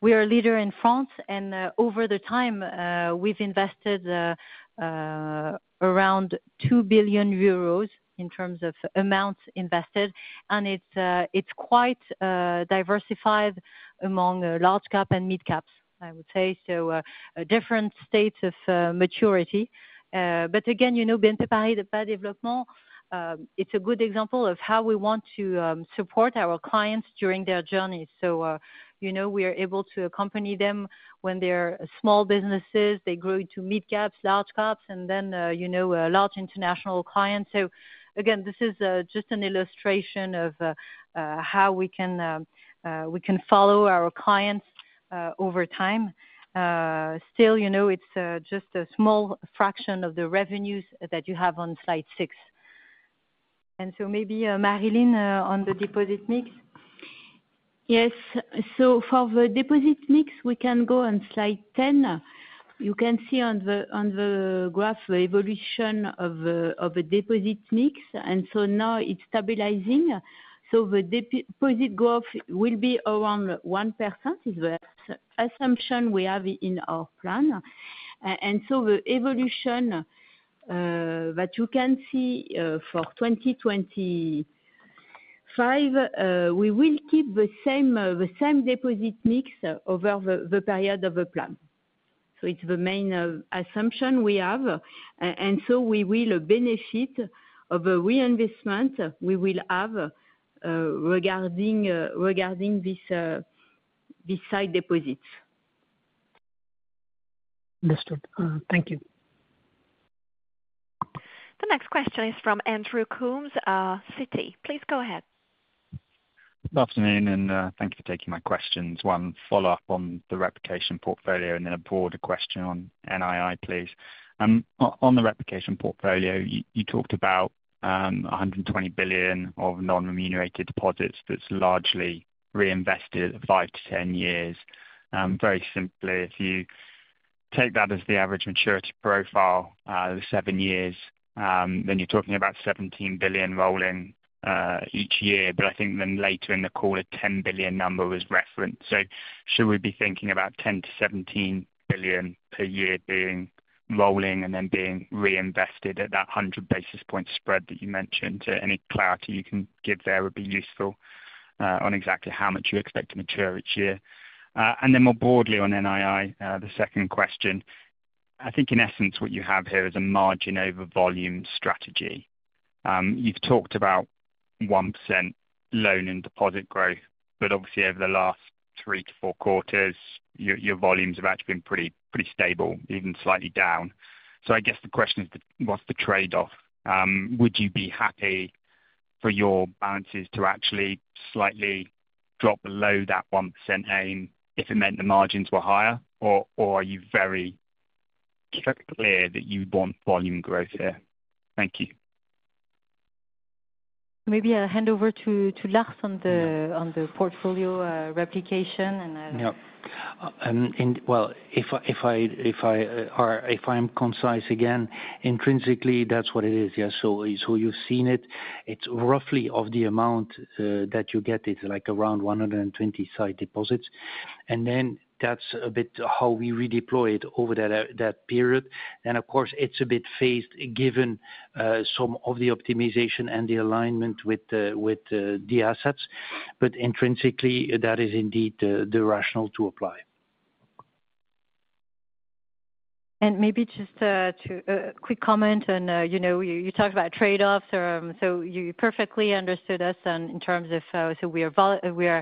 we are a leader in France, and over time, we've invested around 2 billion euros in terms of amounts invested, and it's quite diversified among large cap and mid caps, I would say, so different states of maturity. Again, BNP Paribas Dévelopment, it's a good example of how we want to support our clients during their journey. We are able to accompany them when they're small businesses. They grow into mid caps, large caps, and then large international clients. Again, this is just an illustration of how we can follow our clients over time. Still, it's just a small fraction of the revenues that you have on slide six. Maybe Maryline on the deposit mix. Yes. For the deposit mix, we can go on slide ten. You can see on the graph the evolution of the deposit mix. Now it is stabilizing. The deposit growth will be around one percent is the assumption we have in our plan. The evolution that you can see for 2025, we will keep the same deposit mix over the period of the plan. It is the main assumption we have. We will benefit from the reinvestment we will have regarding these sight deposits. Understood. Thank you. The next question is from Andrew Coombs, Citi. Please go ahead. Good afternoon, and thank you for taking my questions. One follow-up on the replication portfolio and then a broader question on NII, please. On the replication portfolio, you talked about 120 billion of non-remunerated deposits that's largely reinvested at five to 10 years. Very simply, if you take that as the average maturity profile of seven years, then you're talking about 17 billion rolling each year. I think then later in the call, a 10 billion number was referenced. Should we be thinking about 10 billion-17 billion per year being rolling and then being reinvested at that 100 basis point spread that you mentioned? Any clarity you can give there would be useful on exactly how much you expect to mature each year. More broadly on NII, the second question, I think in essence what you have here is a margin over volume strategy. You've talked about one percent loan and deposit growth, but obviously over the last three to four quarters, your volumes have actually been pretty stable, even slightly down. I guess the question is, what's the trade-off? Would you be happy for your balances to actually slightly drop below that one percent aim if it meant the margins were higher, or are you very clear that you want volume growth here? Thank you. Maybe I'll hand over to Lars on the portfolio replication. Yeah. If I am concise again, intrinsically, that is what it is. Yeah. You have seen it. It is roughly of the amount that you get. It is like around 120 billion side deposits. That is a bit how we redeploy it over that period. Of course, it is a bit phased given some of the optimization and the alignment with the assets. Intrinsically, that is indeed the rationale to apply. Maybe just a quick comment, you talked about trade-offs. You perfectly understood us in terms of, we are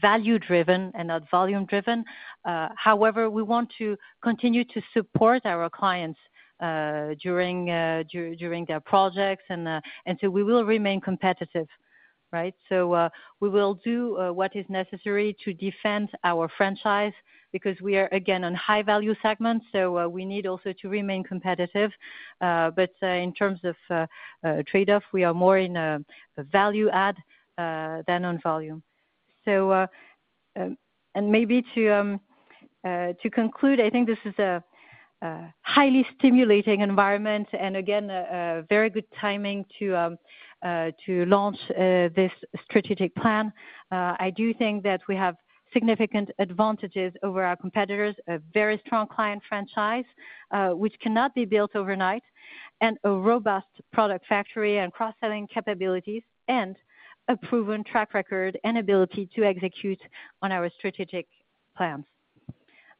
value-driven and not volume-driven. However, we want to continue to support our clients during their projects, and we will remain competitive, right? We will do what is necessary to defend our franchise because we are, again, on high-value segments. We need also to remain competitive. In terms of trade-off, we are more in a value-add than on volume. Maybe to conclude, I think this is a highly stimulating environment and, again, very good timing to launch this strategic plan. I do think that we have significant advantages over our competitors: a very strong client franchise, which cannot be built overnight, a robust product factory and cross-selling capabilities, and a proven track record and ability to execute on our strategic plans.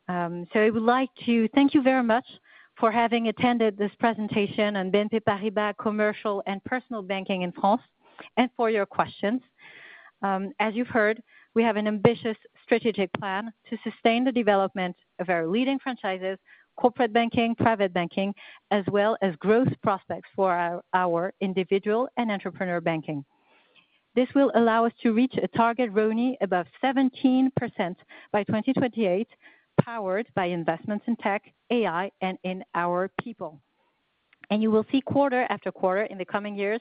I would like to thank you very much for having attended this presentation on BNP Paribas Commercial and Personal Banking in France and for your questions. As you have heard, we have an ambitious strategic plan to sustain the development of our leading franchises, Corporate Banking, Private Banking, as well as growth prospects for our Individual and Entrepreneur Banking. This will allow us to reach a target RONE above 17% by 2028, powered by investments in tech, AI, and in our people. You will see quarter after quarter in the coming years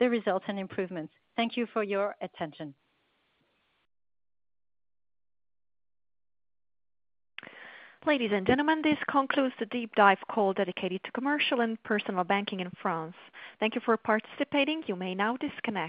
the results and improvements. Thank you for your attention. Ladies and gentlemen, this concludes the Deep Dive call dedicated to Commercial and Personal Banking in France. Thank you for participating. You may now disconnect.